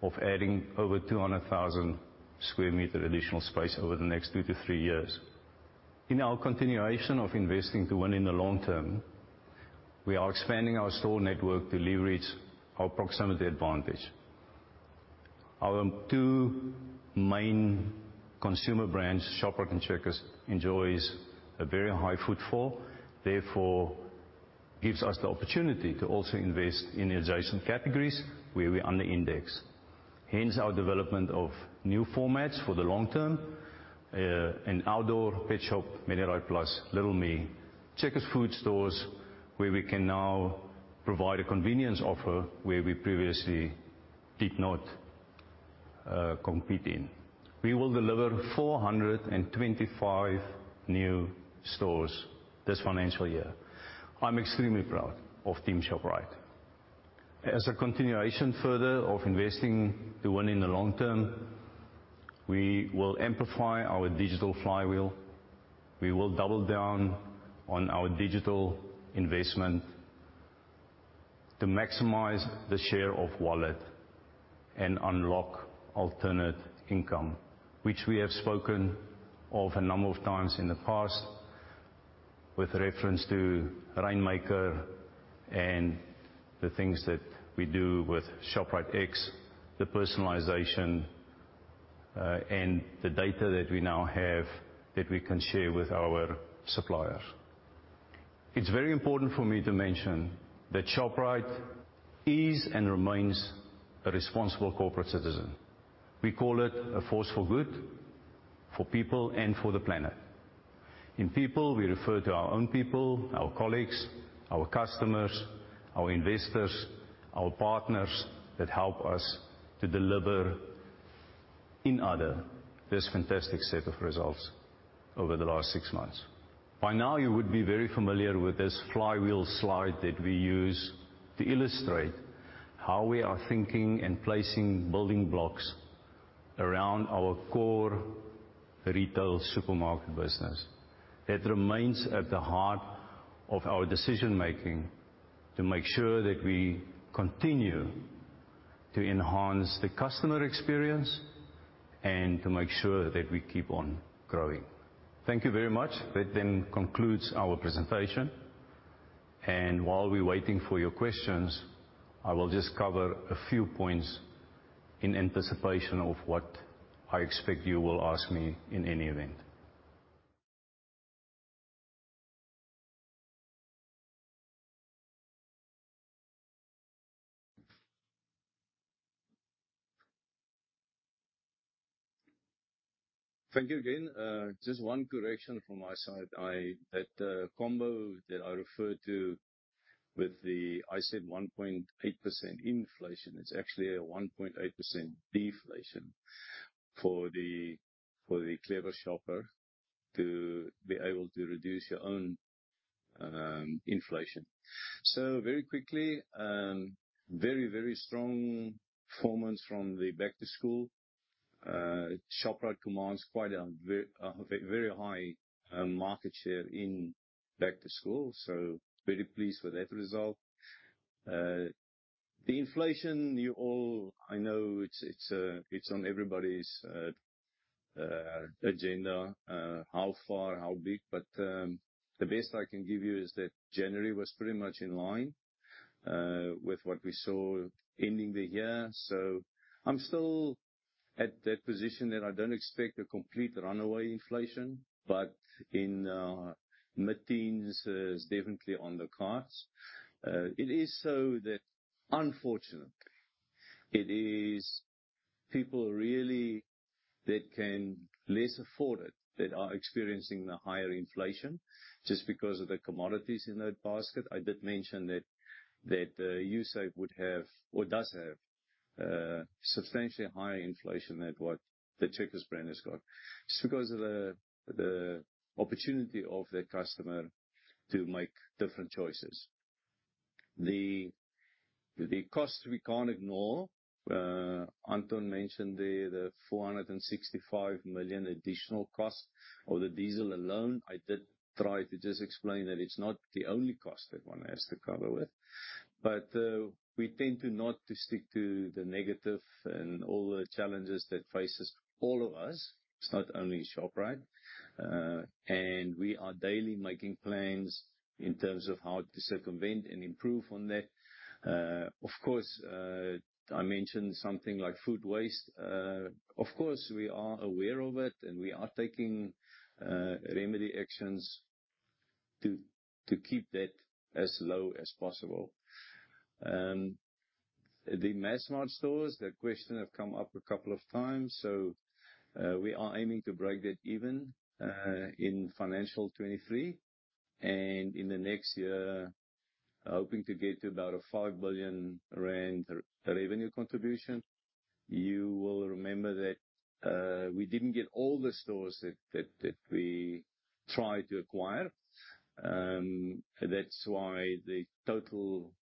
of adding over 200,000 square meter additional space over the next two to three years. In our continuation of investing to win in the long term, we are expanding our store network to leverage our proximity advantage. Our two main consumer brands, Shoprite and Checkers, enjoys a very high footfall, therefore gives us the opportunity to also invest in adjacent categories where we under-index. Hence our development of new formats for the long term, and outdoor pet shop, MediRite Plus, Little Me, Checkers Foods Stores, where we can now provide a convenience offer where we previously did not compete in. We will deliver 425 new stores this financial year. I'm extremely proud of Team Shoprite. As a continuation further of investing to win in the long term, we will amplify our digital flywheel. We will double down on our digital investment to maximize the share of wallet and unlock alternate income, which we have spoken of a number of times in the past with reference to Rainmaker and the things that we do with ShopriteX, the personalization, and the data that we now have that we can share with our suppliers. It's very important for me to mention that Shoprite is and remains a responsible corporate citizen. We call it a force for good for people and for the planet. In people, we refer to our own people, our colleagues, our customers, our investors, our partners that help us to deliver, in other, this fantastic set of results over the last six months. By now, you would be very familiar with this flywheel slide that we use to illustrate how we are thinking and placing building blocks around our core retail supermarket business. That remains at the heart of our decision-making to make sure that we continue to enhance the customer experience and to make sure that we keep on growing. Thank you very much. That concludes our presentation. While we're waiting for your questions, I will just cover a few points in anticipation of what I expect you will ask me in any event. Thank you again. Just one correction from my side. That combo that I referred to with the, I said 1.8% inflation, it's actually a 1.8% deflation for the clever shopper to be able to reduce your own inflation. Very strong performance from the back to school. Shoprite commands quite a very high market share in back to school, so very pleased with that result. The inflation, I know it's on everybody's agenda, how far, how big. The best I can give you is that January was pretty much in line with what we saw ending the year. I'm still at that position that I don't expect a complete runaway inflation, but in mid-teens is definitely on the cards. It is so that unfortunately it is people really that can less afford it that are experiencing the higher inflation just because of the commodities in that basket. I did mention that Usave would have or does have substantially higher inflation than what the Checkers brand has got just because of the opportunity of their customer to make different choices. The, the cost we can't ignore, Anton mentioned the 465 million additional cost of the diesel alone. I did try to just explain that it's not the only cost that one has to cover with. We tend to not to stick to the negative and all the challenges that faces all of us. It's not only Shoprite. We are daily making plans in terms of how to circumvent and improve on that. Of course, I mentioned something like food waste. Of course, we are aware of it, and we are taking remedy actions to keep that as low as possible. The Massmart stores, that question have come up a couple of times. We are aiming to break that even in financial 2023. In the next year, hoping to get to about a 5 billion rand re-revenue contribution. You will remember that we didn't get all the stores that we tried to acquire. That's why the total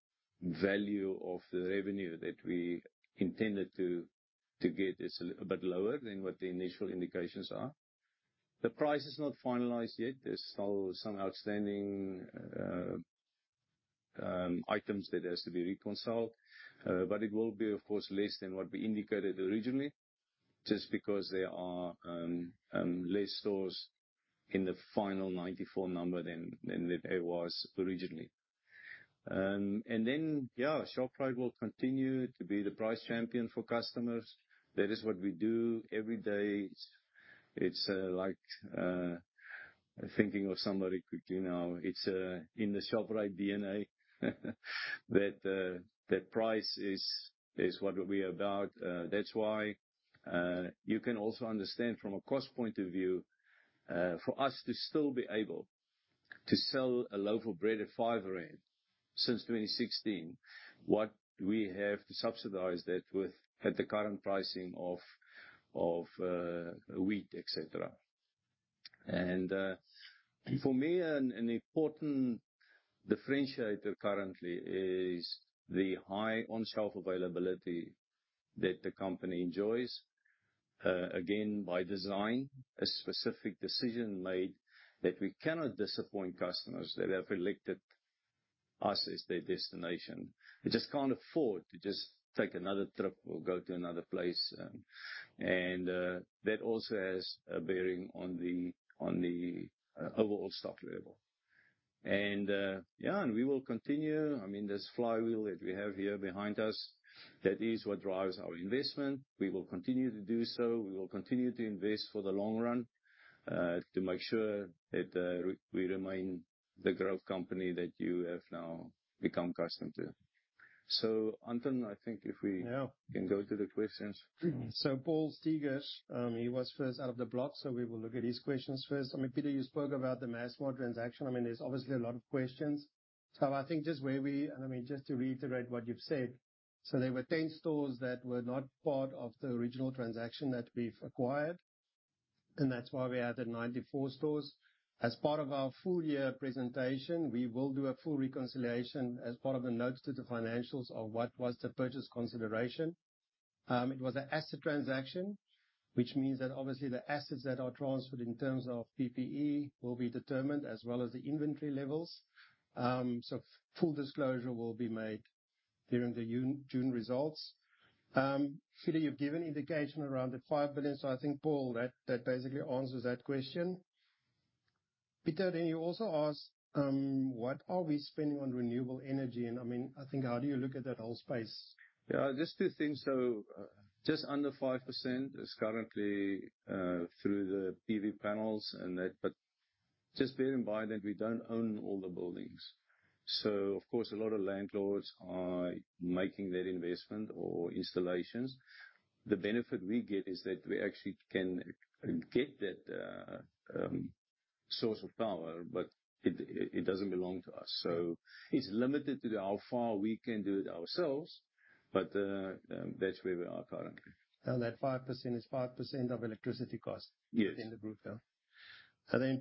value of the revenue that we intended to get is a little bit lower than what the initial indications are. The price is not finalized yet. There's still some outstanding items that has to be reconciled. It will be, of course, less than what we indicated originally, just because there are less stores in the final 94 number than it was originally. Then, yeah, Shoprite will continue to be the price champion for customers. That is what we do every day. It's like thinking of somebody quickly now. It's in the Shoprite DNA that price is what we're about. That's why you can also understand from a cost point of view, for us to still be able to sell a loaf of bread at 5 rand since 2016, what we have to subsidize that with at the current pricing of wheat, et cetera. For me, an important differentiator currently is the high on-shelf availability that the company enjoys. Again, by design, a specific decision made that we cannot disappoint customers that have elected us as their destination. They just can't afford to just take another trip or go to another place. That also has a bearing on the overall stock level. Yeah, and we will continue. I mean, this flywheel that we have here behind us, that is what drives our investment. We will continue to do so. We will continue to invest for the long run to make sure that we remain the growth company that you have now become accustomed to. Anton de Bruyn, I think if we Yeah. Can go to the questions. Paul Steytler, he was first out of the block, so we will look at his questions first. I mean, Pieter, you spoke about the Massmart transaction. I mean, there's obviously a lot of questions. I think just I mean, just to reiterate what you've said, there were 10 stores that were not part of the original transaction that we've acquired, and that's why we added 94 stores. As part of our full year presentation, we will do a full reconciliation as part of the notes to the financials of what was the purchase consideration. It was an asset transaction, which means that obviously the assets that are transferred in terms of PPE will be determined as well as the inventory levels. Full disclosure will be made during the June results. Pieter, you've given indication around the 5 billion, I think, Paul, that basically answers that question. Pieter, you also asked, what are we spending on renewable energy? I mean, I think how do you look at that whole space? Just two things, just under 5% is currently through the PV panels and that, but just bear in mind that we don't own all the buildings. Of course, a lot of landlords are making that investment or installations. The benefit we get is that we actually can get that source of power, but it doesn't belong to us. It's limited to how far we can do it ourselves. That's where we are currently. That 5% is 5% of electricity costs. Yes. -within the group now.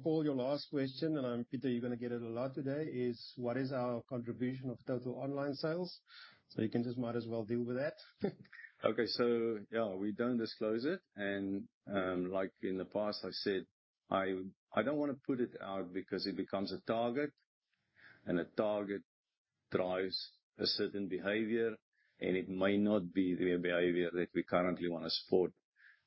Paul, your last question, and Pieter, you're gonna get it a lot today is what is our contribution of total online sales? You can just might as well deal with that. Okay. Yeah, we don't disclose it. Like in the past, I've said, I don't wanna put it out because it becomes a target, and a target drives a certain behavior, and it may not be the behavior that we currently wanna support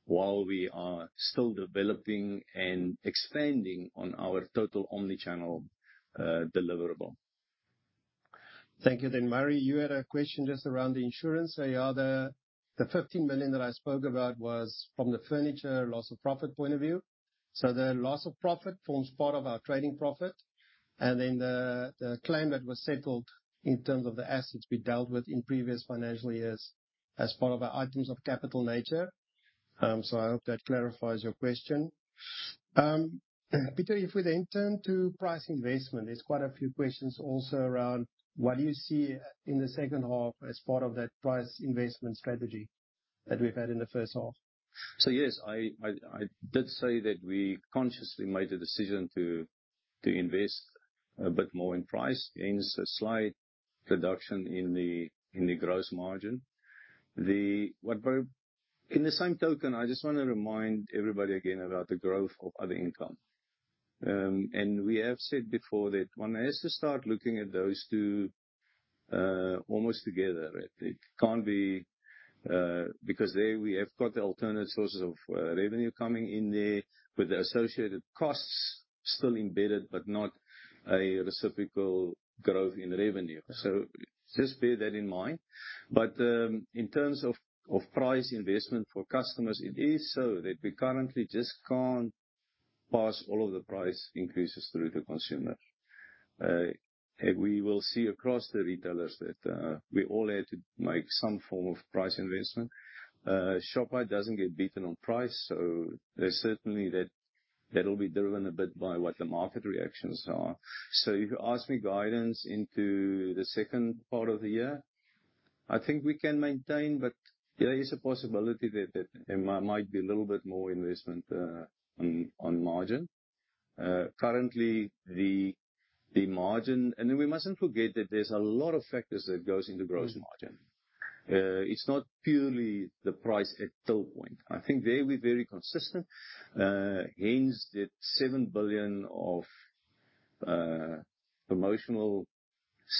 while we are still developing and expanding on our total omnichannel deliverable. Thank you. Murray, you had a question just around the insurance. Yeah, the 15 million that I spoke about was from the furniture loss of profit point of view. The loss of profit forms part of our trading profit, and then the claim that was settled in terms of the assets we dealt with in previous financial years as part of our items of capital nature. I hope that clarifies your question. Pieter, if we turn to price investment, there's quite a few questions also around what do you see in the second half as part of that price investment strategy that we've had in the first half? Yes, I did say that we consciously made a decision to invest a bit more in price, hence a slight reduction in the gross margin. In the same token, I just wanna remind everybody again about the growth of other income. We have said before that one has to start looking at those two almost together. It can't be. There we have got the alternate sources of revenue coming in there with the associated costs still embedded, not a reciprocal growth in revenue. Just bear that in mind. In terms of price investment for customers, it is so that we currently just can't pass all of the price increases through the consumer. We will see across the retailers that we all had to make some form of price investment. Shoprite doesn't get beaten on price, there's certainly that that'll be driven a bit by what the market reactions are. If you ask me guidance into the second part of the year, I think we can maintain, but there is a possibility that there might be a little bit more investment on margin. Currently the margin. We mustn't forget that there's a lot of factors that goes into gross margin. It's not purely the price at till point. I think there we're very consistent. Hence the 7 billion of promotional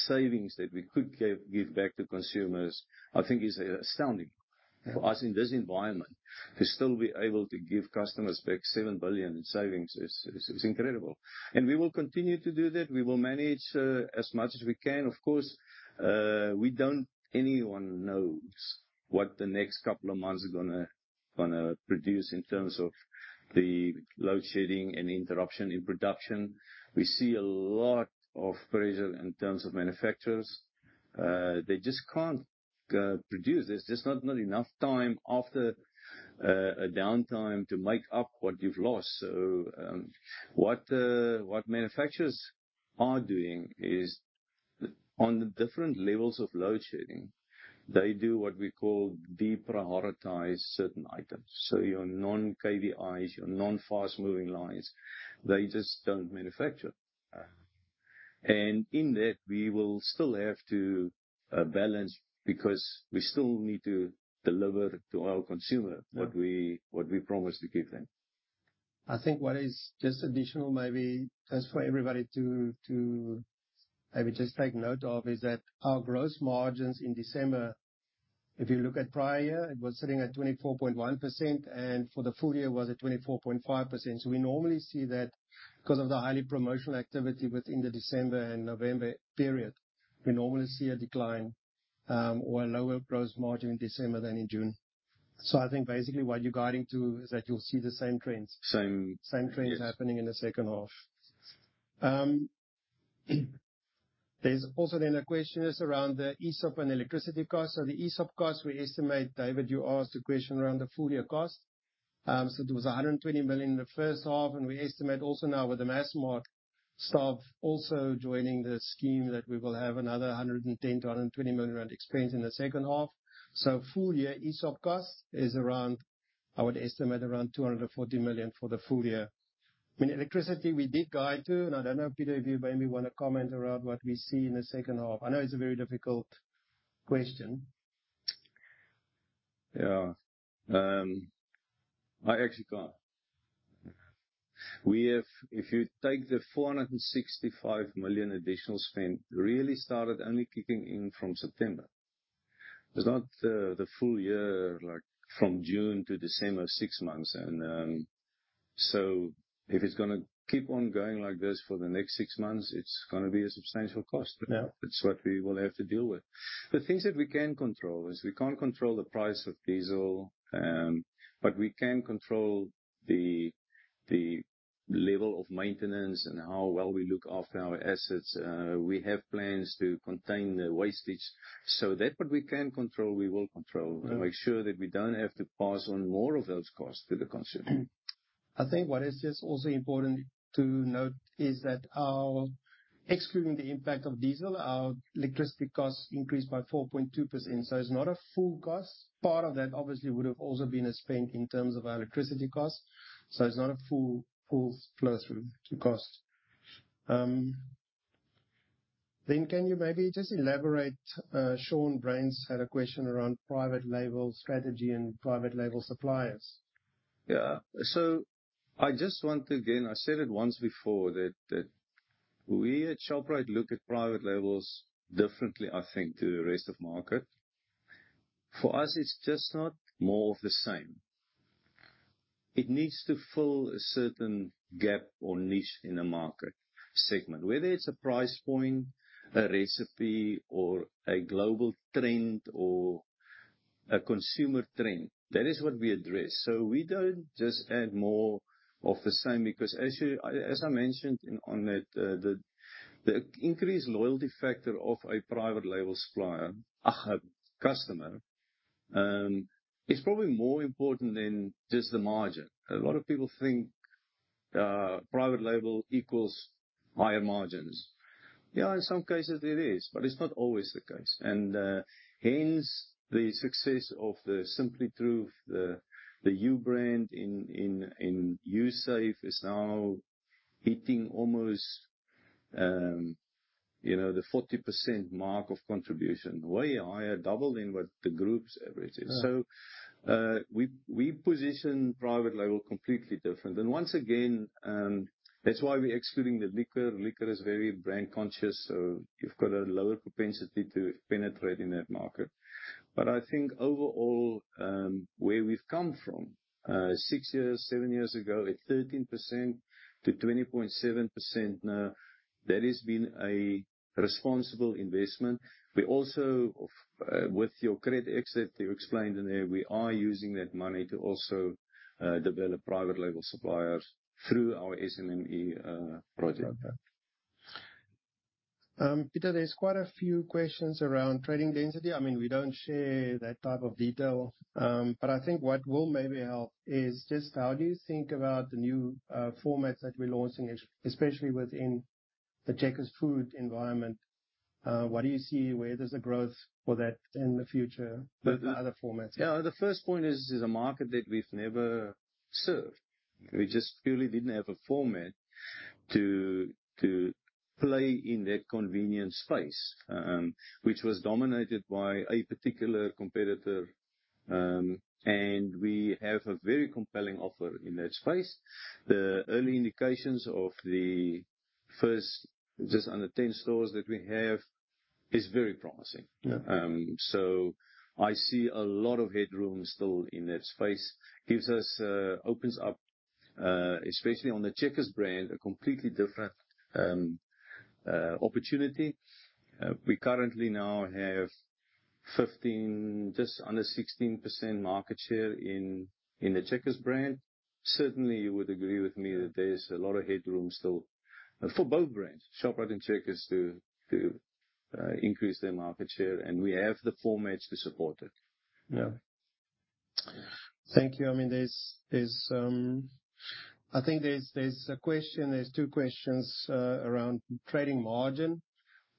savings that we could give back to consumers, I think is astounding. For us in this environment, to still be able to give customers back 7 billion in savings is incredible. We will continue to do that. We will manage as much as we can. Of course, anyone knows what the next couple of months are gonna produce in terms of the load shedding and interruption in production. We see a lot of pressure in terms of manufacturers. They just can't produce. There's just not enough time after a downtime to make up what you've lost. What manufacturers are doing is on the different levels of load shedding, they do what we call deprioritize certain items. Your non-KVIs, your non-fast-moving lines, they just don't manufacture. In that, we will still have to balance because we still need to deliver to our consumer. Yeah. what we promise to give them. I think what is just additional, maybe just for everybody to maybe just take note of, is that our gross margins in December, if you look at prior, it was sitting at 24.1%, and for the full year was at 24.5%. We normally see that because of the highly promotional activity within the December and November period, we normally see a decline or a lower gross margin in December than in June. I think basically what you're guiding to is that you'll see the same trends. Same. Same trends. Yes. Happening in the second half. There's also then a question is around the ESOP and electricity costs. The ESOP cost, we estimate, David, you asked a question around the full year cost. It was 120 million in the first half, and we estimate also now with the Massmart staff also joining the scheme that we will have another 110 million-120 million rand expense in the second half. Full year ESOP cost is around, I would estimate around 240 million for the full year. I mean, electricity we did guide to, and I don't know, Pieter, if you maybe wanna comment around what we see in the second half. I know it's a very difficult question. Yeah. I actually can. If you take the 465 million additional spend really started only kicking in from September. It's not the full year, like from June to December, six months. If it's gonna keep on going like this for the next six months, it's gonna be a substantial cost. Yeah. It's what we will have to deal with. The things that we can control is we can't control the price of diesel, but we can control the level of maintenance and how well we look after our assets. We have plans to contain the wastage. That what we can control, we will control. Yeah. Make sure that we don't have to pass on more of those costs to the consumer. I think what is just also important to note is that our Excluding the impact of diesel, our electricity costs increased by 4.2%, so it's not a full cost. Part of that obviously would have also been a spend in terms of our electricity costs, so it's not a full flow through cost. Can you maybe just elaborate, Sean Steyn had a question around private label strategy and private label suppliers. I just want to again, I said it once before that we at Shoprite look at private labels differently, I think, to the rest of market. For us, it's just not more of the same. It needs to fill a certain gap or niche in a market segment. Whether it's a price point, a recipe or a global trend or a consumer trend, that is what we address. We don't just add more of the same because actually, as I mentioned in, on that, the increased loyalty factor of a private label customer, is probably more important than just the margin. A lot of people think private label equals higher margins. In some cases it is, but it's not always the case. Hence the success of the Simple Truth, the Ubrand in, in Usave is now hitting almost, you know, the 40% mark of contribution, way higher, double than what the group's average is. Yeah. We position private label completely different. Once again, that's why we're excluding the liquor. Liquor is very brand conscious, so you've got a lower propensity to penetrate in that market. I think overall, where we've come from, six years, seven years ago at 13% to 20.7% now, that has been a responsible investment. We also with your CredX, you explained in there, we are using that money to also develop private label suppliers through our SMME project. Okay. Pieter, there's quite a few questions around trading density. I mean, we don't share that type of detail. I think what will maybe help is just how do you think about the new formats that we're launching especially within the Checkers Foods environment? What do you see? Where there's a growth for that in the future with the other formats? The first point is a market that we've never served. We just purely didn't have a format to play in that convenience space, which was dominated by a particular competitor. We have a very compelling offer in that space. The early indications of just under 10 stores that we have is very promising. Yeah. I see a lot of headroom still in that space. Gives us, opens up, especially on the Checkers brand, a completely different opportunity. We currently now have 15, just under 16% market share in the Checkers brand. Certainly, you would agree with me that there's a lot of headroom still for both brands, Shoprite and Checkers, to increase their market share, and we have the formats to support it. Yeah. Thank you. I mean, there's a question, there's two questions around trading margin.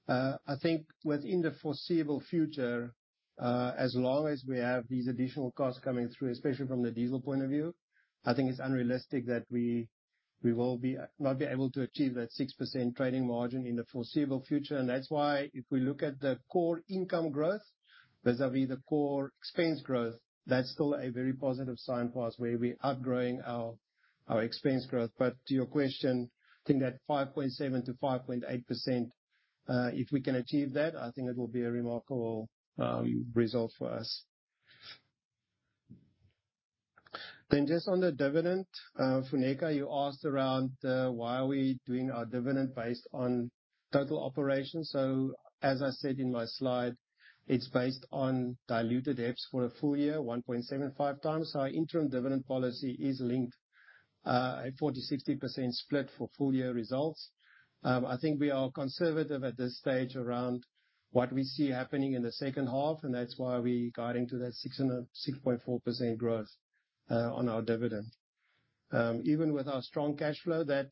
I think within the foreseeable future, as long as we have these additional costs coming through, especially from the diesel point of view, I think it's unrealistic that we will be not be able to achieve that 6% trading margin in the foreseeable future. That's why if we look at the core income growth vis-à-vis the core expense growth, that's still a very positive sign for us where we are outgrowing our expense growth. To your question, I think that 5.7%-5.8%, if we can achieve that, I think it will be a remarkable result for us. Just on the dividend, Funeka, you asked around why are we doing our dividend based on total operations. As I said in my slide, it's based on Diluted EPS for a full year, 1.75 times. Our interim dividend policy is linked, a 40-60% split for full year results. I think we are conservative at this stage around what we see happening in the second half, and that's why we guiding to that 6%-6.4% growth on our dividend. Even with our strong cash flow, that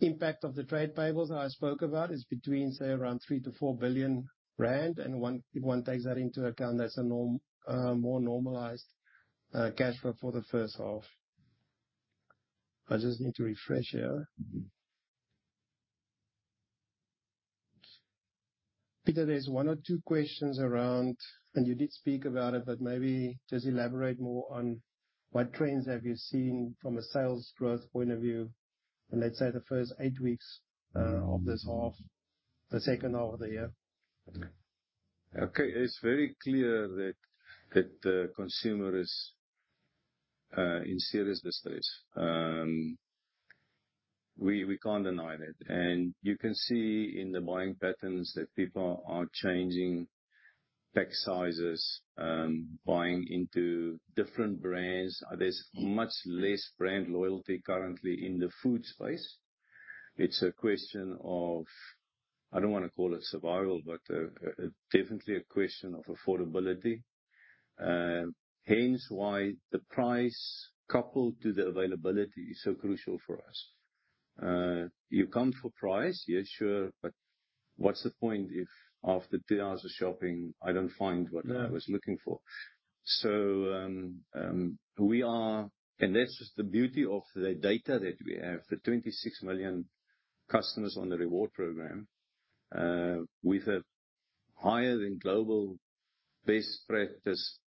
impact of the trade payables that I spoke about is between, say, around 3 billion-4 billion rand, if one takes that into account, that's a more normalized cash flow for the first half. I just need to refresh here. Mm-hmm. Pieter, there's one or two questions around, and you did speak about it, but maybe just elaborate more on what trends have you seen from a sales growth point of view in, let's say, the first eight weeks of this half, the second half of the year? Okay. It's very clear that the consumer is in serious distress. We can't deny that. You can see in the buying patterns that people are changing pack sizes, buying into different brands. There's much less brand loyalty currently in the food space. It's a question of, I don't wanna call it survival, but definitely a question of affordability. Hence why the price coupled to the availability is so crucial for us. You come for price, yeah, sure, but what's the point if after three hours of shopping I don't find what I was looking for? Yeah. That's just the beauty of the data that we have. The 26 million customers on the reward program, with a higher than global best practice,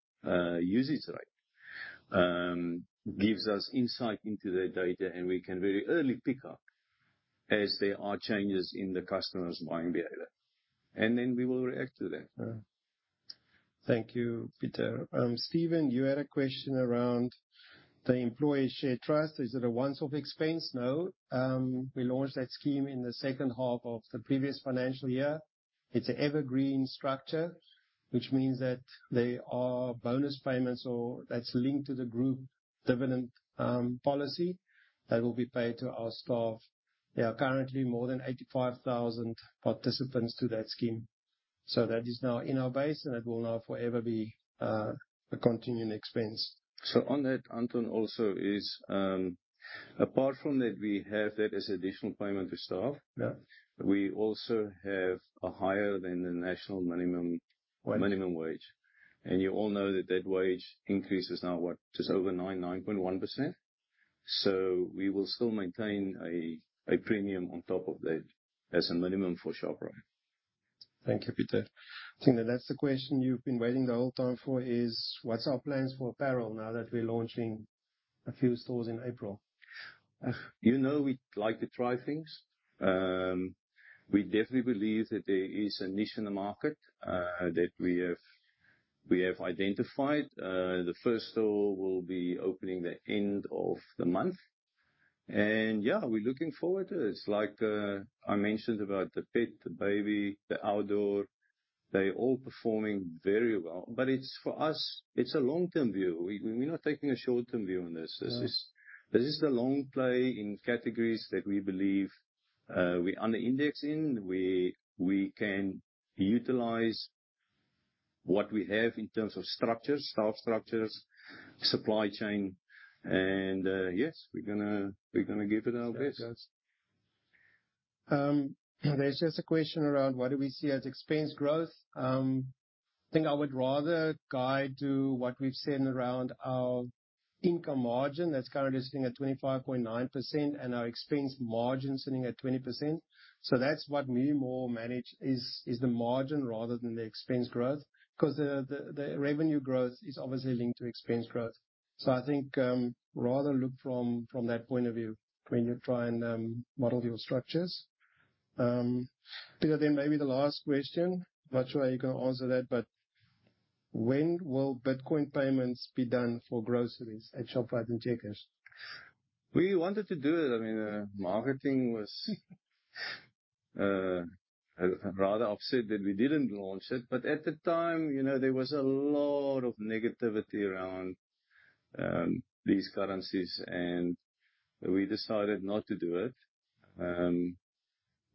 usage rate, gives us insight into their data. We can very early pick up as there are changes in the customer's buying behavior. We will react to that. Yeah. Thank you, Pieter. Steven, you had a question around the Employee Share Trust. Is it a once-off expense? No. We launched that scheme in the second half of the previous financial year. It's an evergreen structure, which means that there are bonus payments or that's linked to the group dividend policy that will be paid to our staff. There are currently more than 85,000 participants to that scheme. That is now in our base and it will now forever be a continuing expense. On that, Anton, also is, apart from that, we have that as additional payment to staff. Yeah. We also have a higher than the national minimum- Wage. Minimum wage. You all know that that wage increase is now what? Just over 9.1%. We will still maintain a premium on top of that as a minimum for Shoprite. Thank you, Pieter. I think that that's the question you've been waiting the whole time for, is what's our plans for apparel now that we're launching a few stores in April? You know we like to try things. We definitely believe that there is a niche in the market, that we have identified. The first store will be opening the end of the month. Yeah, we're looking forward to it. It's like, I mentioned about the pet, the baby, the outdoor, they all performing very well. It's, for us, it's a long-term view. We, we're not taking a short-term view on this. This is. Yeah. This is a long play in categories that we believe, we under-index in, where we can utilize what we have in terms of structures, staff structures, supply chain, and, yes, we're gonna give it our best. That's it. There's just a question around what do we see as expense growth. I think I would rather guide to what we've said around our income margin that's currently sitting at 25.9% and our expense margin sitting at 20%. That's what we more manage is the margin rather than the expense growth, 'cause the revenue growth is obviously linked to expense growth. I think, rather look from that point of view when you try and model your structures. Pieter, then maybe the last question. Not sure how you're gonna answer that, but when will Bitcoin payments be done for groceries at Shoprite and Checkers? We wanted to do it. I mean, marketing was rather upset that we didn't launch it. At the time, you know, there was a lot of negativity around these currencies, and we decided not to do it.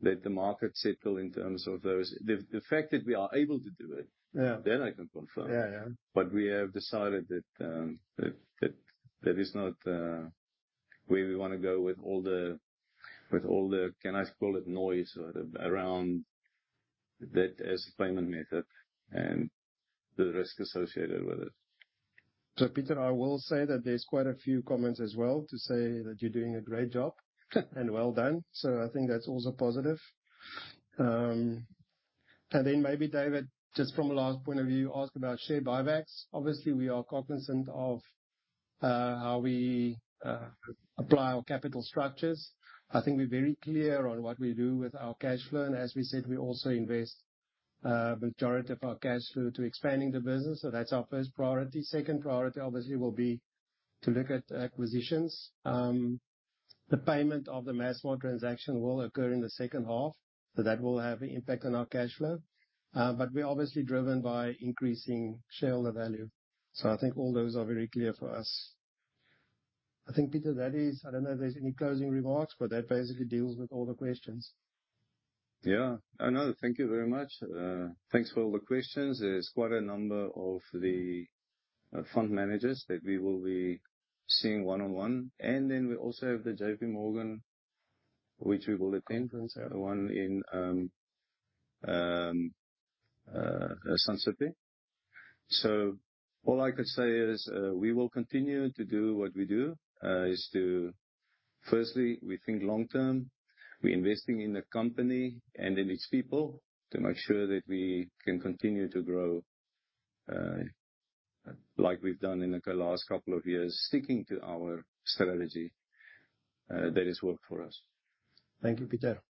Let the market settle in terms of those. The fact that we are able to do it. Yeah. I can confirm. Yeah, yeah. We have decided that is not where we wanna go with all the can I call it noise or the around that as a payment method and the risk associated with it. Pieter, I will say that there's quite a few comments as well to say that you're doing a great job and well done. I think that's also positive. Maybe David, just from a last point of view, asked about share buybacks. Obviously, we are cognizant of how we apply our capital structures. I think we're very clear on what we do with our cash flow. As we said, we also invest majority of our cash flow to expanding the business. That's our first priority. Second priority, obviously, will be to look at acquisitions. The payment of the Massmart transaction will occur in the second half. That will have an impact on our cash flow. We're obviously driven by increasing shareholder value. I think all those are very clear for us. I think, Pieter, that is... I don't know if there's any closing remarks, but that basically deals with all the questions. Yeah. No. Thank you very much. Thanks for all the questions. There's quite a number of the fund managers that we will be seeing one-on-one. We also have the JPMorgan, which we will attend, the one in Sun City. All I can say is, we will continue to do what we do, is to firstly, we think long-term. We're investing in the company and in its people to make sure that we can continue to grow, like we've done in the last couple of years, sticking to our strategy, that has worked for us. Thank you, Pieter. Thank you.